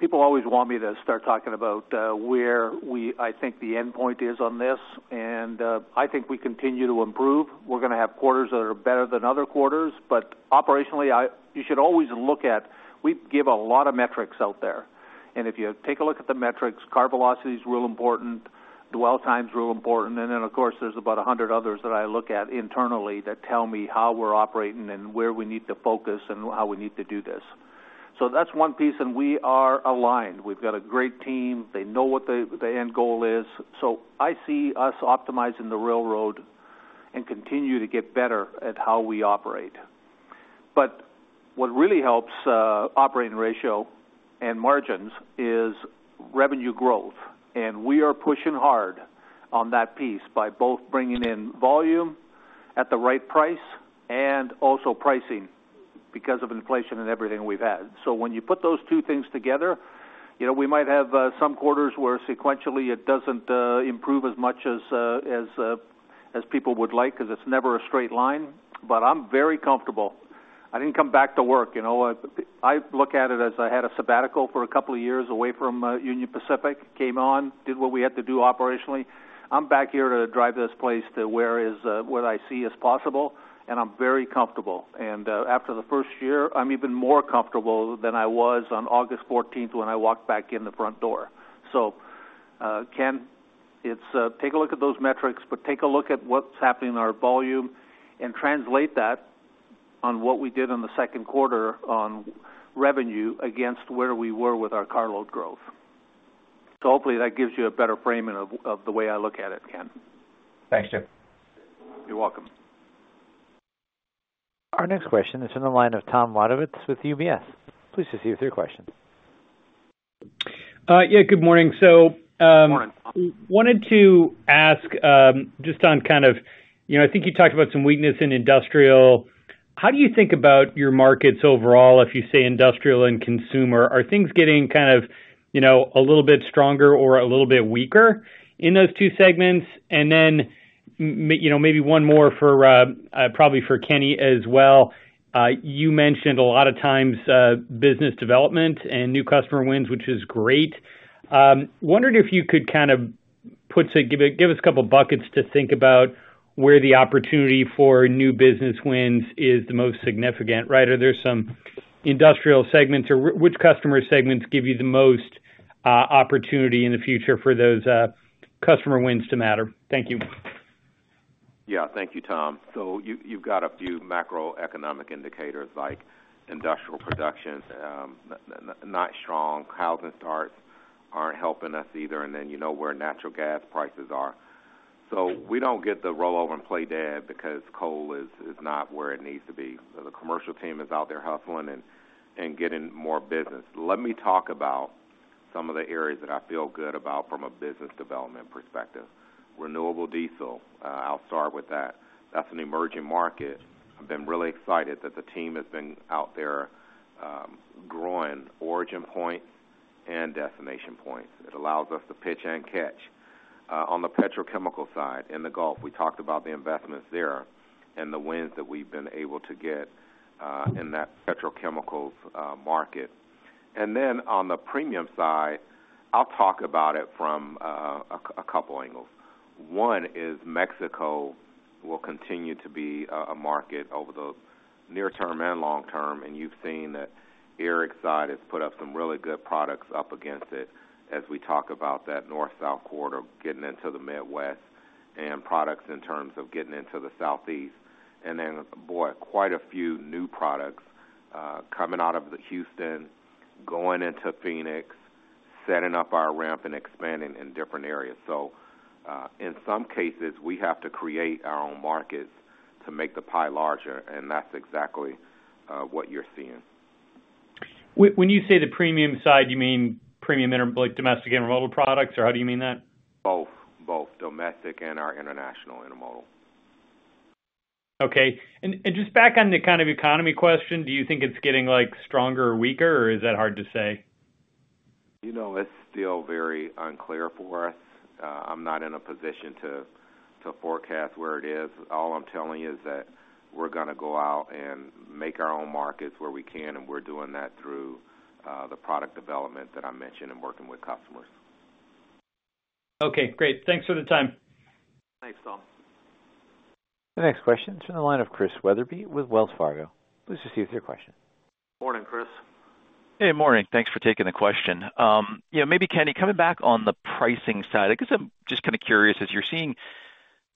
people always want me to start talking about where I think the endpoint is on this, and I think we continue to improve. We're gonna have quarters that are better than other quarters, but operationally, you should always look at. We give a lot of metrics out there, and if you take a look at the metrics, car velocity is real important, dwell time is real important, and then, of course, there's about 100 others that I look at internally that tell me how we're operating and where we need to focus and how we need to do this. So that's one piece, and we are aligned. We've got a great team. They know what the end goal is. So I see us optimizing the railroad and continue to get better at how we operate.... But what really helps operating ratio and margins is revenue growth, and we are pushing hard on that piece by both bringing in volume at the right price and also pricing because of inflation and everything we've had. So when you put those two things together, you know, we might have some quarters where sequentially it doesn't improve as much as people would like, 'cause it's never a straight line, but I'm very comfortable. I didn't come back to work. You know, I look at it as I had a sabbatical for a couple of years away from Union Pacific, came on, did what we had to do operationally. I'm back here to drive this place to where is what I see as possible, and I'm very comfortable. After the first year, I'm even more comfortable than I was on August fourteenth when I walked back in the front door. So, Ken, it's take a look at those metrics, but take a look at what's happening in our volume and translate that on what we did in the second quarter on revenue against where we were with our carload growth. So hopefully, that gives you a better framing of, of the way I look at it, Ken. Thanks, Jim. You're welcome. Our next question is in the line of Tom Wadewitz with UBS. Please proceed with your question. Yeah, good morning. So, Good morning. Wanted to ask, just on kind of—you know, I think you talked about some weakness in Industrial. How do you think about your markets overall, if you say Industrial and consumer, are things getting kind of, you know, a little bit stronger or a little bit weaker in those two segments? And then, you know, maybe one more for, probably for Kenny as well. You mentioned a lot of times, business development and new customer wins, which is great. Wondered if you could kind of put to—give, give us a couple of buckets to think about where the opportunity for new business wins is the most significant, right? Are there some Industrial segments, or which customer segments give you the most, opportunity in the future for those, customer wins to matter? Thank you. Yeah. Thank you, Tom. So you've got a few macroeconomic indicators, like industrial production, not strong. Housing starts aren't helping us either, and then, you know, where natural gas prices are. So we don't get to roll over and play dead because coal is not where it needs to be. The commercial team is out there hustling and getting more business. Let me talk about some of the areas that I feel good about from a business development perspective. Renewable diesel, I'll start with that. That's an emerging market. I've been really excited that the team has been out there, growing origin point and destination points. It allows us to pitch and catch. On the petrochemical side, in the Gulf, we talked about the investments there and the wins that we've been able to get in that petrochemicals market. And then on the Premium side, I'll talk about it from a couple angles. One is Mexico will continue to be a market over the near term and long term, and you've seen that Eric's side has put up some really good products up against it as we talk about that North-South corridor, getting into the Midwest and products in terms of getting into the Southeast. And then, boy, quite a few new products coming out of the Houston, going into Phoenix, setting up our ramp and expanding in different areas. So, in some cases, we have to create our own markets to make the pie larger, and that's exactly what you're seeing. When, when you say the Premium side, you mean Premium inter—like, domestic intermodal products, or how do you mean that? Both. Both domestic and our international intermodal. Okay. Just back on the kind of economy question, do you think it's getting, like, stronger or weaker, or is that hard to say? You know, it's still very unclear for us. I'm not in a position to forecast where it is. All I'm telling you is that we're gonna go out and make our own markets where we can, and we're doing that through the product development that I mentioned and working with customers. Okay, great. Thanks for the time. Thanks, Tom. The next question is from the line of Chris Wetherbee with Wells Fargo. Please proceed with your question. Morning, Chris. Hey, morning. Thanks for taking the question. You know, maybe, Kenny, coming back on the pricing side, I guess I'm just kind of curious, as you're seeing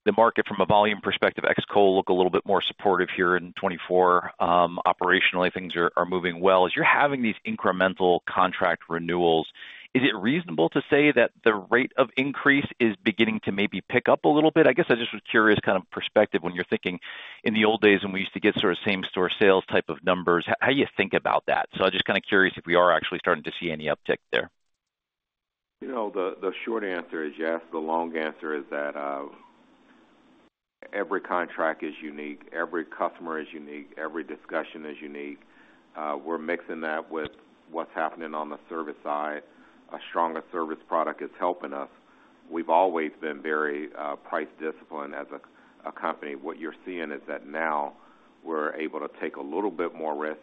the market from a volume perspective, ex coal look a little bit more supportive here in 2024, operationally, things are moving well. As you're having these incremental contract renewals, is it reasonable to say that the rate of increase is beginning to maybe pick up a little bit? I guess I just was curious, kind of perspective, when you're thinking in the old days when we used to get sort of same-store sales type of numbers, how you think about that? So I'm just kind of curious if we are actually starting to see any uptick there. You know, the short answer is yes. The long answer is that every contract is unique, every customer is unique, every discussion is unique. We're mixing that with what's happening on the service side. A stronger service product is helping us. We've always been very price disciplined as a company. What you're seeing is that now we're able to take a little bit more risks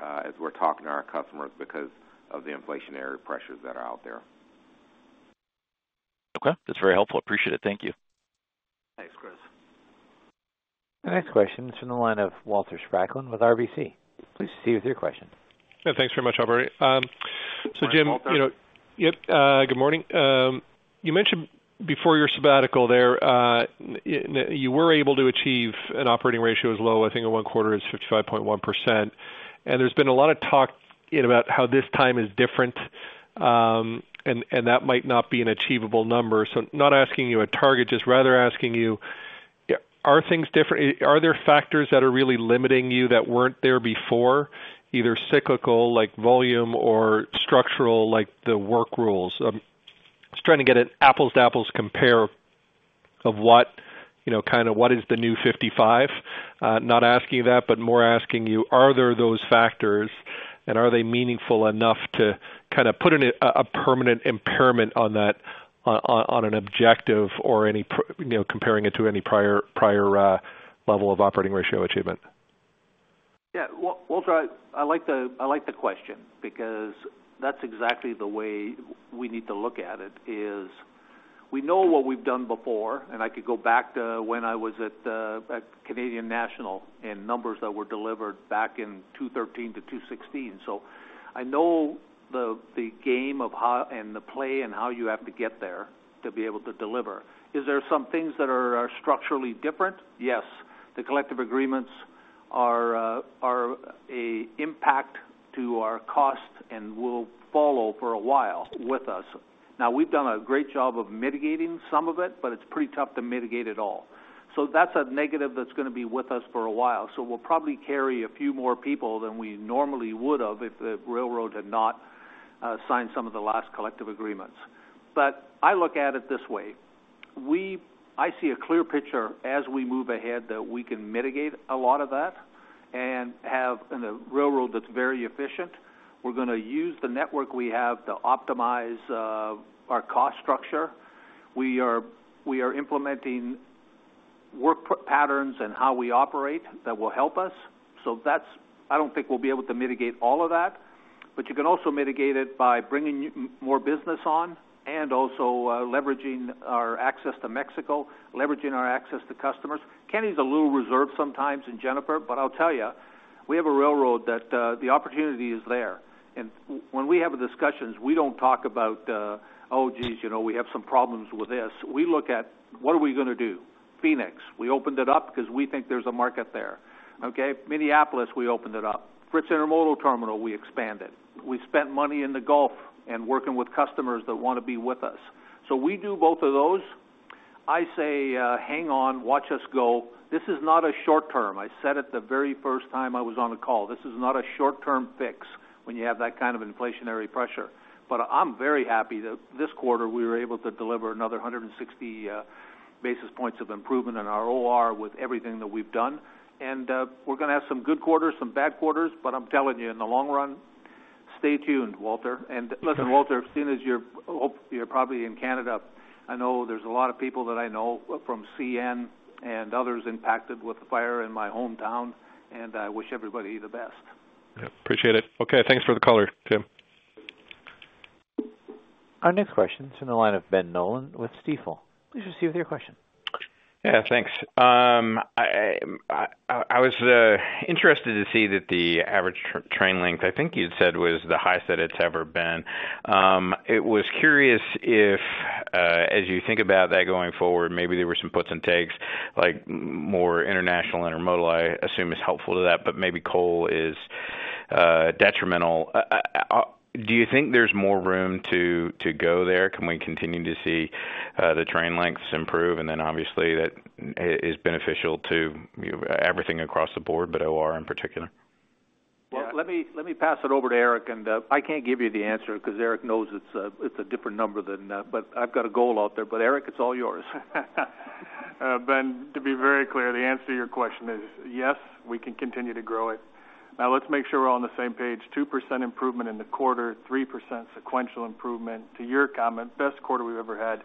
as we're talking to our customers because of the inflationary pressures that are out there. Okay. That's very helpful. Appreciate it. Thank you. Thanks, Chris. The next question is from the line of Walter Spracklin with RBC. Please proceed with your question. Yeah, thanks very much, Aubrey. So Jim, you know- Yep. Good morning. You mentioned before your sabbatical there, you were able to achieve an operating ratio as low, I think in one quarter, it's 55.1%. And there's been a lot of talk about how this time is different. That might not be an achievable number. So not asking you a target, just rather asking you, are things different? Are there factors that are really limiting you that weren't there before, either cyclical, like volume, or structural, like the work rules? Just trying to get an apples-to-apples compare of what, you know, kind of what is the new 55. Not asking you that, but more asking you, are there those factors, and are they meaningful enough to kind of put in a permanent impairment on that, on an objective or any, you know, comparing it to any prior level of operating ratio achievement? Yeah, Walter, I like the question because that's exactly the way we need to look at it, is we know what we've done before, and I could go back to when I was at Canadian National and numbers that were delivered back in 2013-2016. So I know the game of how and the play and how you have to get there to be able to deliver. Is there some things that are structurally different? Yes. The collective agreements are an impact to our cost and will follow for a while with us. Now, we've done a great job of mitigating some of it, but it's pretty tough to mitigate it all. So that's a negative that's going to be with us for a while. So we'll probably carry a few more people than we normally would have if the railroad had not signed some of the last collective agreements. But I look at it this way, I see a clear picture as we move ahead, that we can mitigate a lot of that and have a railroad that's very efficient. We're gonna use the network we have to optimize our cost structure. We are implementing work patterns and how we operate that will help us. So that's—I don't think we'll be able to mitigate all of that, but you can also mitigate it by bringing more business on and also leveraging our access to Mexico, leveraging our access to customers. Kenny's a little reserved sometimes with Jennifer, but I'll tell you, we have a railroad that the opportunity is there. When we have discussions, we don't talk about, oh, geez, you know, we have some problems with this. We look at, what are we gonna do? Phoenix, we opened it up because we think there's a market there, okay? Minneapolis, we opened it up. Brits Intermodal Terminal, we expanded. We spent money in the Gulf and working with customers that want to be with us. So we do both of those. I say, hang on, watch us go. This is not a short term. I said it the very first time I was on the call. This is not a short-term fix when you have that kind of inflationary pressure, but I'm very happy that this quarter we were able to deliver another 160 basis points of improvement in our OR with everything that we've done. And, we're gonna have some good quarters, some bad quarters, but I'm telling you, in the long run, stay tuned, Walter. And listen, Walter, seeing as you're probably in Canada, I know there's a lot of people that I know from CN and others impacted with the fire in my hometown, and I wish everybody the best. Yeah, appreciate it. Okay, thanks for the color, Jim. Our next question is in the line of Ben Nolan with Stifel. Please proceed with your question. Yeah, thanks. I was interested to see that the average train length, I think you'd said, was the highest that it's ever been. I was curious if, as you think about that going forward, maybe there were some puts and takes, like more international intermodal, I assume, is helpful to that, but maybe coal is detrimental. Do you think there's more room to go there? Can we continue to see the train lengths improve, and then obviously, that is beneficial to everything across the board, but OR in particular? Well, let me, let me pass it over to Eric, and I can't give you the answer because Eric knows it's a, it's a different number than... But I've got a goal out there, but, Eric, it's all yours. Ben, to be very clear, the answer to your question is, yes, we can continue to grow it. Now, let's make sure we're all on the same page. 2% improvement in the quarter, 3% sequential improvement. To your comment, best quarter we've ever had,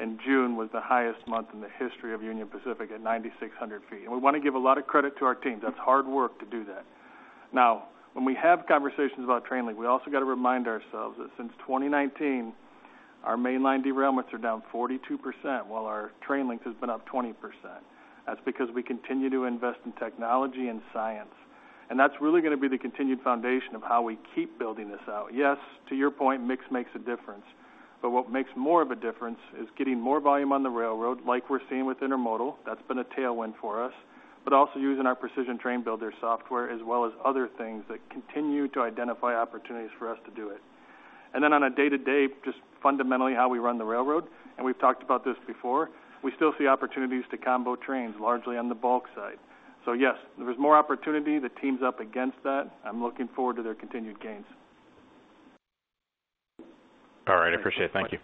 and June was the highest month in the history of Union Pacific at 9,600 feet. And we want to give a lot of credit to our teams. That's hard work to do that. Now, when we have conversations about train length, we also got to remind ourselves that since 2019, our mainline derailments are down 42%, while our train length has been up 20%. That's because we continue to invest in technology and science, and that's really gonna be the continued foundation of how we keep building this out. Yes, to your point, mix makes a difference, but what makes more of a difference is getting more volume on the railroad like we're seeing with intermodal. That's been a tailwind for us, but also using our Precision Train Builder software, as well as other things that continue to identify opportunities for us to do it. And then on a day-to-day, just fundamentally how we run the railroad, and we've talked about this before, we still see opportunities to combo trains largely on the Bulk side. So yes, there is more opportunity. The team's up against that. I'm looking forward to their continued gains. All right, I appreciate it. Thank you.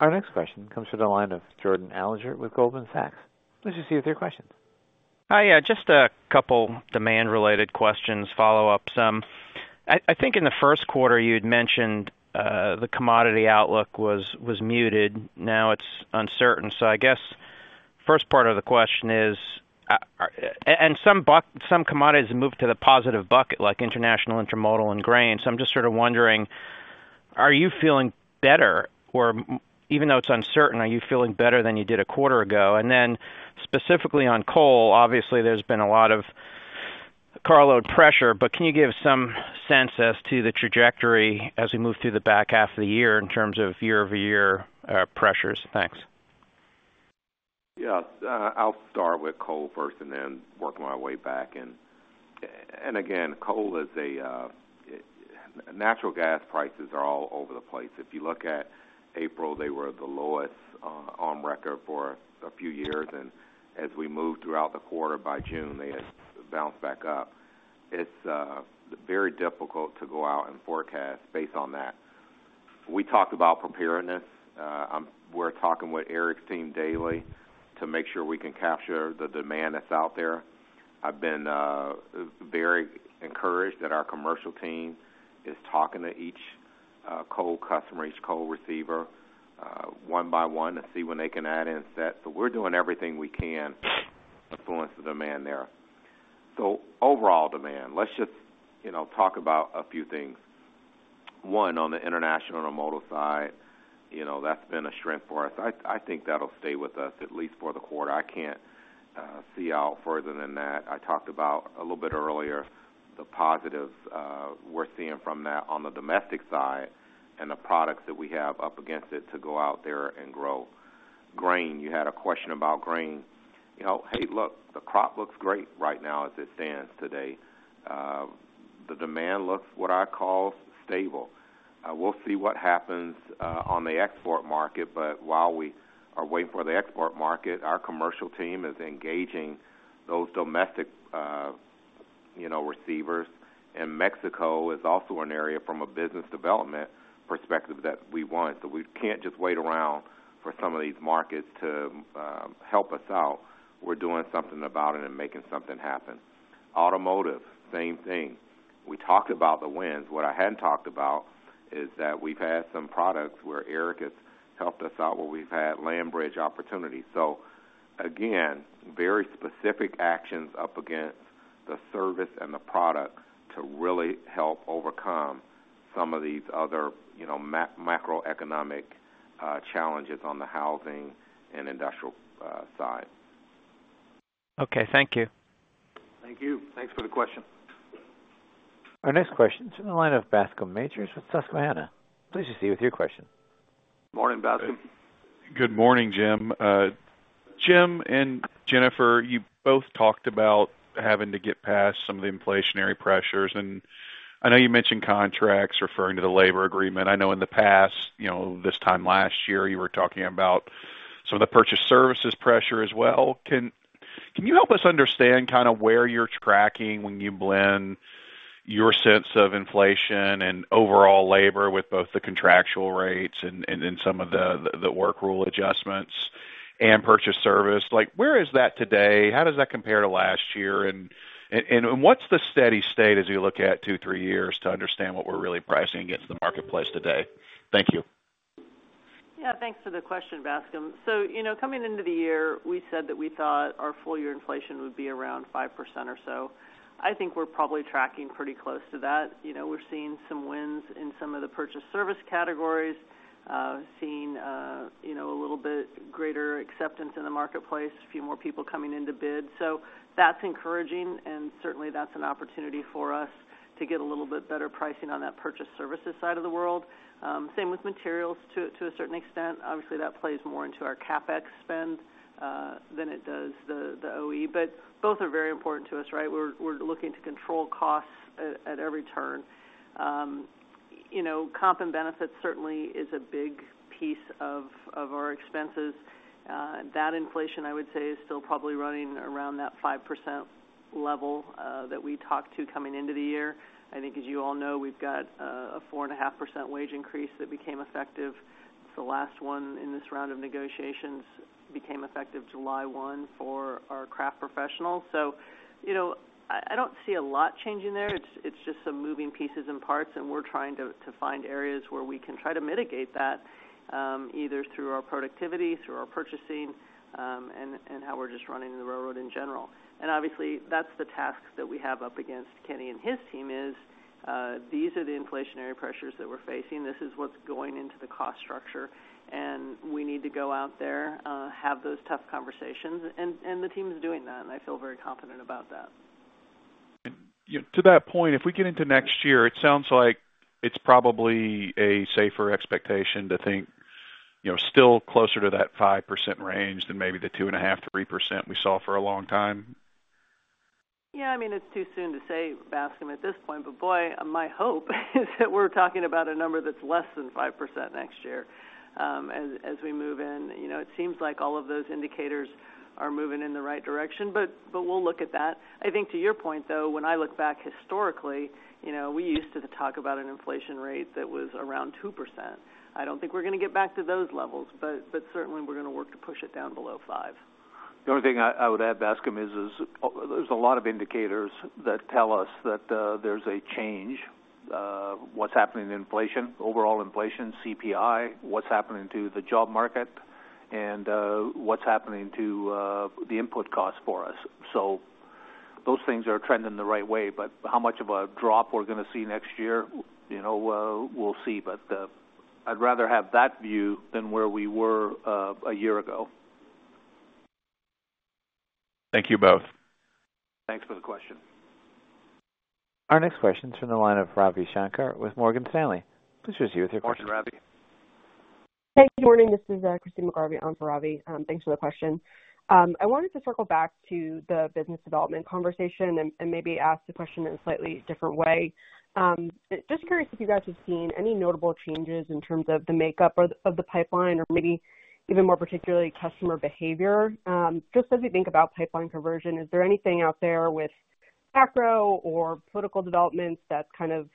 Our next question comes from the line of Jordan Alliger with Goldman Sachs. Please proceed with your question. Hi, yeah, just a couple demand-related questions, follow-ups. I think in the first quarter, you'd mentioned the commodity outlook was muted. Now it's uncertain. So I guess first part of the question is, and some commodities have moved to the positive bucket, like international, intermodal, and grain. So I'm just sort of wondering, are you feeling better? Or even though it's uncertain, are you feeling better than you did a quarter ago? And then specifically on coal, obviously, there's been a lot of carload pressure, but can you give some sense as to the trajectory as we move through the back half of the year in terms of year-over-year pressures? Thanks. Yeah, I'll start with coal first and then work my way back. And again, coal is a natural gas prices are all over the place. If you look at April, they were the lowest on record for a few years, and as we moved throughout the quarter, by June, they had bounced back up. It's very difficult to go out and forecast based on that. We talked about preparedness. We're talking with Eric's team daily to make sure we can capture the demand that's out there. I've been very encouraged that our commercial team is talking to each coal customer, each coal receiver, one by one, to see when they can add in sets. So we're doing everything we can to influence the demand there. So overall demand, let's just, you know, talk about a few things. One, on the international and export side, you know, that's been a crimp for us. I think that'll stay with us, at least for the quarter. I can't see out further than that. I talked about a little bit earlier, the positives we're seeing from that on the domestic side and the products that we have up against it to go out there and grow. Grain, you had a question about grain. You know, hey, look, the crop looks great right now as it stands today. The demand looks what I call stable. We'll see what happens on the export market, but while we are waiting for the export market, our commercial team is engaging those domestic, you know, receivers. And Mexico is also an area from a business development perspective that we want. So we can't just wait around for some of these markets to help us out. We're doing something about it and making something happen. Automotive, same thing. We talked about the wins. What I hadn't talked about is that we've had some products where Eric has helped us out, where we've had land bridge opportunities. So again, very specific actions up against the service and the product to really help overcome some of these other, you know, macroeconomic challenges on the housing and Industrial side. Okay, thank you. Thank you. Thanks for the question. Our next question is in the line of Bascome Majors with Susquehanna. Please proceed with your question. Morning, Bascome. Good morning, Jim. Jim and Jennifer, you both talked about having to get past some of the inflationary pressures, and I know you mentioned contracts referring to the labor agreement. I know in the past, you know, this time last year, you were talking about some of the purchased services pressure as well. Can you help us understand kind of where you're tracking when you blend your sense of inflation and overall labor with both the contractual rates and some of the work rule adjustments and purchased services? Like, where is that today? How does that compare to last year? And what's the steady state as you look at two, three years to understand what we're really pricing against the marketplace today? Thank you. Yeah, thanks for the question, Bascome. So, you know, coming into the year, we said that we thought our full year inflation would be around 5% or so. I think we're probably tracking pretty close to that. You know, we're seeing some wins in some of the purchased services categories, seeing, you know, a little bit greater acceptance in the marketplace, a few more people coming in to bid. So that's encouraging, and certainly that's an opportunity for us to get a little bit better pricing on that purchased services side of the world. Same with materials to, to a certain extent. Obviously, that plays more into our CapEx spend than it does the OE, but both are very important to us, right? We're looking to control costs at every turn. You know, comp and benefits certainly is a big piece of our expenses. That inflation, I would say, is still probably running around that 5% level, that we talked to coming into the year. I think, as you all know, we've got a 4.5% wage increase that became effective. It's the last one in this round of negotiations, became effective July 1 for our craft professionals. So, you know, I don't see a lot changing there. It's just some moving pieces and parts, and we're trying to find areas where we can try to mitigate that, either through our productivity, through our purchasing, and how we're just running the railroad in general. And obviously, that's the task that we have up against Kenny and his team is, these are the inflationary pressures that we're facing. This is what's going into the cost structure, and we need to go out there, have those tough conversations, and the team is doing that, and I feel very confident about that. You know, to that point, if we get into next year, it sounds like it's probably a safer expectation to think, you know, still closer to that 5% range than maybe the 2.5%-3% we saw for a long time. Yeah, I mean, it's too soon to say, Bascome, at this point, but boy, my hope is that we're talking about a number that's less than 5% next year. As we move in, you know, it seems like all of those indicators are moving in the right direction, but we'll look at that. I think to your point, though, when I look back historically, you know, we used to talk about an inflation rate that was around 2%. I don't think we're gonna get back to those levels, but certainly, we're gonna work to push it down below 5%. The only thing I would add, Bascome, is there's a lot of indicators that tell us that there's a change what's happening in inflation, overall inflation, CPI, what's happening to the job market, and what's happening to the input costs for us. So those things are trending the right way, but how much of a drop we're gonna see next year, you know, we'll see, but I'd rather have that view than where we were a year ago. Thank you both. Thanks for the question. Our next question is from the line of Ravi Shankar with Morgan Stanley. Please proceed with your question, Ravi. Hey, good morning. This is Christyne McGarvey on for Ravi. Thanks for the question. I wanted to circle back to the business development conversation and maybe ask the question in a slightly different way. Just curious if you guys have seen any notable changes in terms of the makeup of the pipeline or maybe even more particularly, customer behavior? Just as we think about pipeline conversion, is there anything out there with macro or political developments that's kind of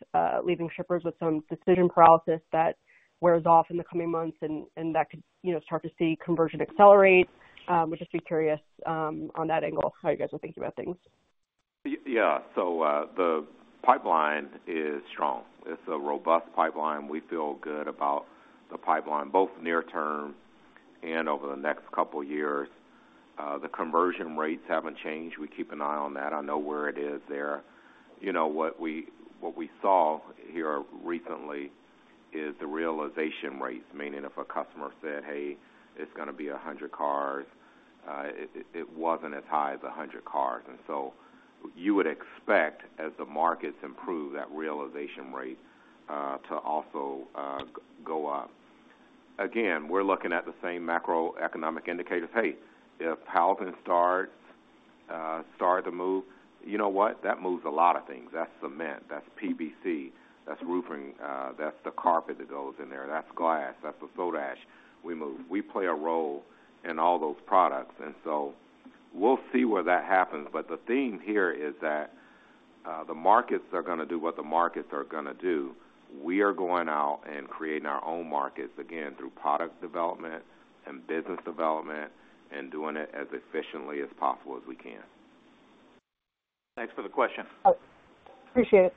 leaving shippers with some decision paralysis that wears off in the coming months and that could, you know, start to see conversion accelerate? Would just be curious on that angle, how you guys are thinking about things. Yeah, so, the pipeline is strong. It's a robust pipeline. We feel good about the pipeline, both near term and over the next couple of years. The conversion rates haven't changed. We keep an eye on that. I know where it is there. You know, what we saw here recently is the realization rates, meaning if a customer said, "Hey, it's gonna be 100 cars," it wasn't as high as 100 cars, and so you would expect as the markets improve, that realization rate to also go up. Again, we're looking at the same macroeconomic indicators. Hey, if housing starts start to move, you know what? That moves a lot of things. That's cement, that's PVC, that's roofing, that's the carpet that goes in there, that's glass, that's the soda ash. We play a role in all those products, and so we'll see where that happens. But the theme here is that, the markets are gonna do what the markets are gonna do. We are going out and creating our own markets, again, through product development and business development, and doing it as efficiently as possible as we can. Thanks for the question. Appreciate it.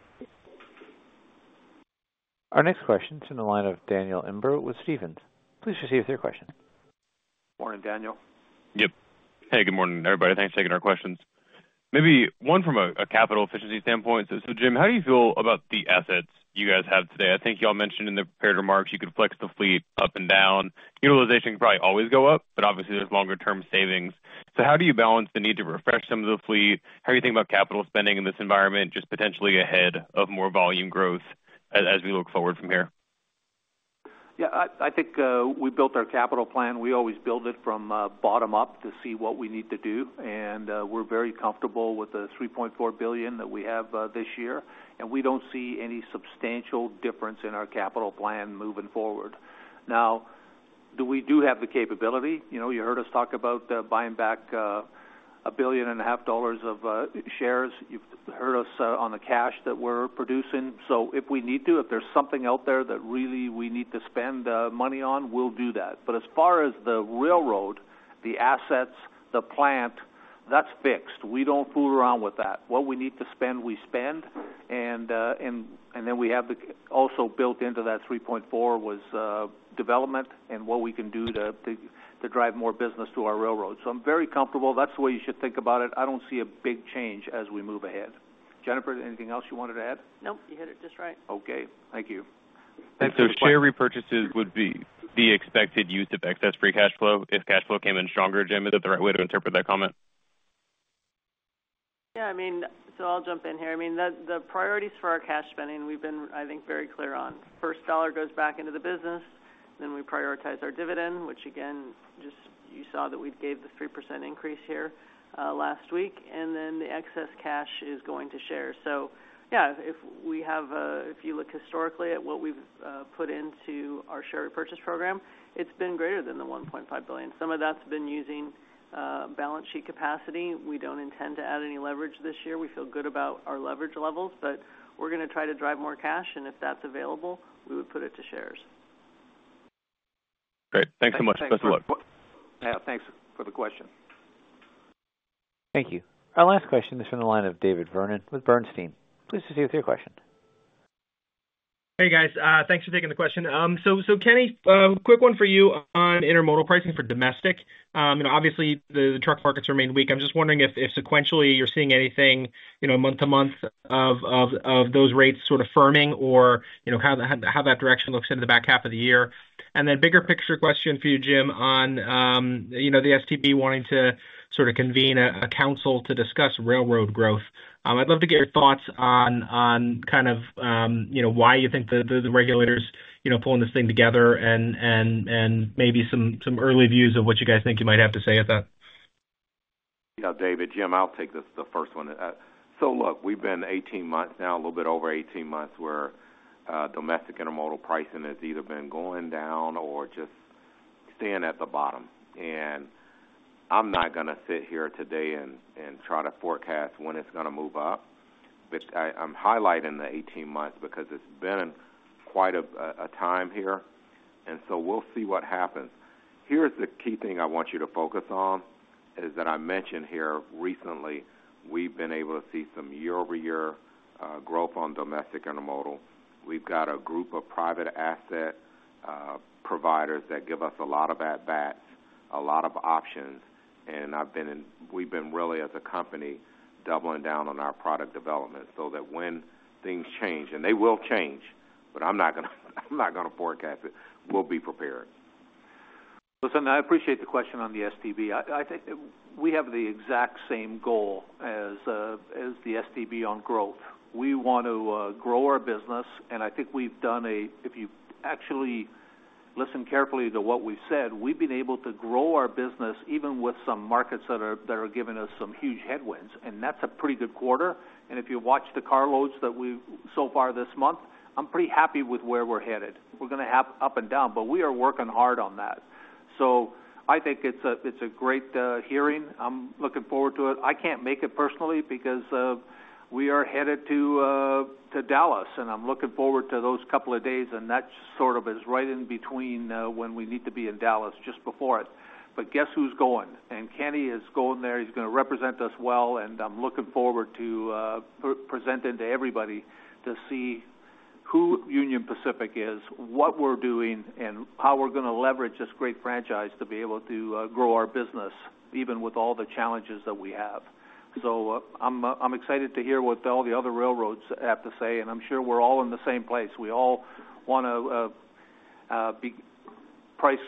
Our next question is from the line of Daniel Imbro with Stephens. Please proceed with your question. Morning, Daniel. Yep. Hey, good morning, everybody. Thanks for taking our questions. Maybe one from a capital efficiency standpoint. So, Jim, how do you feel about the assets you guys have today? I think you all mentioned in the prepared remarks you could flex the fleet up and down. Utilization could probably always go up, but obviously, there's longer term savings. So how do you balance the need to refresh some of the fleet? How are you thinking about capital spending in this environment, just potentially ahead of more volume growth as we look forward from here? Yeah, I think we built our capital plan. We always build it from bottom up to see what we need to do, and we're very comfortable with the $3.4 billion that we have this year, and we don't see any substantial difference in our capital plan moving forward. Now, do we have the capability? You know, you heard us talk about buying back a billion and a half dollars of shares. You've heard us on the cash that we're producing. So if we need to, if there's something out there that really we need to spend money on, we'll do that. But as far as the railroad, the assets, the plant, that's fixed, we don't fool around with that. What we need to spend, we spend, and then also built into that $3.4 was development and what we can do to drive more business to our railroad. So I'm very comfortable. That's the way you should think about it. I don't see a big change as we move ahead. Jennifer, anything else you wanted to add? Nope, you hit it just right. Okay, thank you. And so share repurchases would be the expected use of excess free cash flow if cash flow came in stronger. Jim, is that the right way to interpret that comment? Yeah, I mean, so I'll jump in here. I mean, the priorities for our cash spending, we've been, I think, very clear on. First dollar goes back into the business, then we prioritize our dividend, which again, just you saw that we gave the 3% increase here last week, and then the excess cash is going to shares. So yeah, if we have, if you look historically at what we've put into our share purchase program, it's been greater than the $1.5 billion. Some of that's been using balance sheet capacity. We don't intend to add any leverage this year. We feel good about our leverage levels, but we're gonna try to drive more cash, and if that's available, we would put it to shares. Great. Thanks so much. Best of luck. Yeah, thanks for the question. Thank you. Our last question is from the line of David Vernon with Bernstein. Please proceed with your question. Hey, guys, thanks for taking the question. So, Kenny, quick one for you on intermodal pricing for domestic. You know, obviously, the truck markets remain weak. I'm just wondering if sequentially you're seeing anything, you know, month to month of those rates sort of firming or, you know, how that direction looks into the back half of the year. And then bigger picture question for you, Jim, on, you know, the STB wanting to sort of convene a council to discuss railroad growth. I'd love to get your thoughts on kind of, you know, why you think the regulators, you know, pulling this thing together and maybe some early views of what you guys think you might have to say at that. Yeah, David. Jim, I'll take this, the first one. So look, we've been 18 months now, a little bit over 18 months, where domestic intermodal pricing has either been going down or just staying at the bottom. And I'm not gonna sit here today and try to forecast when it's gonna move up. But I'm highlighting the 18 months because it's been quite a time here, and so we'll see what happens. Here's the key thing I want you to focus on, is that I mentioned here recently, we've been able to see some year-over-year growth on domestic intermodal. We've got a group of private asset providers that give us a lot of at bats, a lot of options, and we've been really, as a company, doubling down on our product development so that when things change, and they will change, but I'm not gonna forecast it, we'll be prepared. Listen, I appreciate the question on the STB. I think we have the exact same goal as the STB on growth. We want to grow our business, and I think we've done, if you actually listen carefully to what we've said, we've been able to grow our business even with some markets that are giving us some huge headwinds, and that's a pretty good quarter. If you watch the carloads that we've so far this month, I'm pretty happy with where we're headed. We're gonna have up and down, but we are working hard on that. So I think it's a great hearing. I'm looking forward to it. I can't make it personally because we are headed to Dallas, and I'm looking forward to those couple of days, and that sort of is right in between when we need to be in Dallas, just before it. But guess who's going? Kenny is going there. He's gonna represent us well, and I'm looking forward to presenting to everybody to see who Union Pacific is, what we're doing, and how we're gonna leverage this great franchise to be able to grow our business, even with all the challenges that we have. So I'm excited to hear what all the other railroads have to say, and I'm sure we're all in the same place. We all want to be price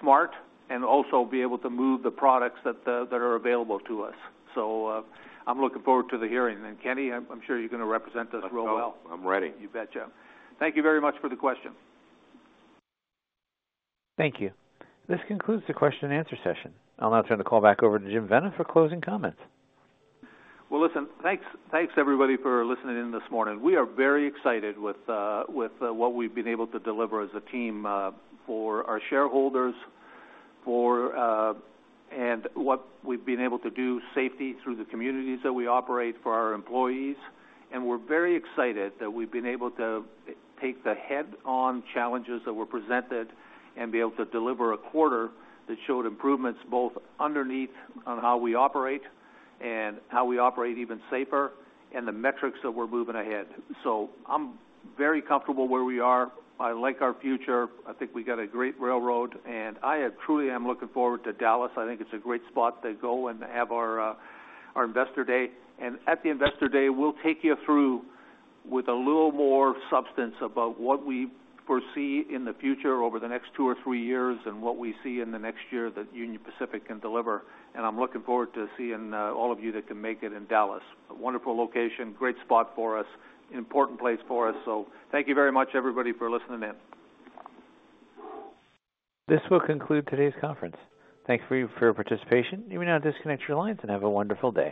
smart and also be able to move the products that are available to us. So, I'm looking forward to the hearing. And, Kenny, I'm sure you're gonna represent us real well. I'm ready. You betcha. Thank you very much for the question. Thank you. This concludes the question and answer session. I'll now turn the call back over to Jim Vena for closing comments. Well, listen, thanks, thanks, everybody, for listening in this morning. We are very excited with what we've been able to deliver as a team for our shareholders, for... And what we've been able to do, safety through the communities that we operate, for our employees. And we're very excited that we've been able to take the head-on challenges that were presented and be able to deliver a quarter that showed improvements, both underneath on how we operate and how we operate even safer, and the metrics that we're moving ahead. So I'm very comfortable where we are. I like our future. I think we got a great railroad, and I truly am looking forward to Dallas. I think it's a great spot to go and have our investor day. At the investor day, we'll take you through with a little more substance about what we foresee in the future over the next two or three years, and what we see in the next year that Union Pacific can deliver. I'm looking forward to seeing all of you that can make it in Dallas. A wonderful location, great spot for us, an important place for us. So thank you very much, everybody, for listening in. This will conclude today's conference. Thank you for your participation. You may now disconnect your lines, and have a wonderful day.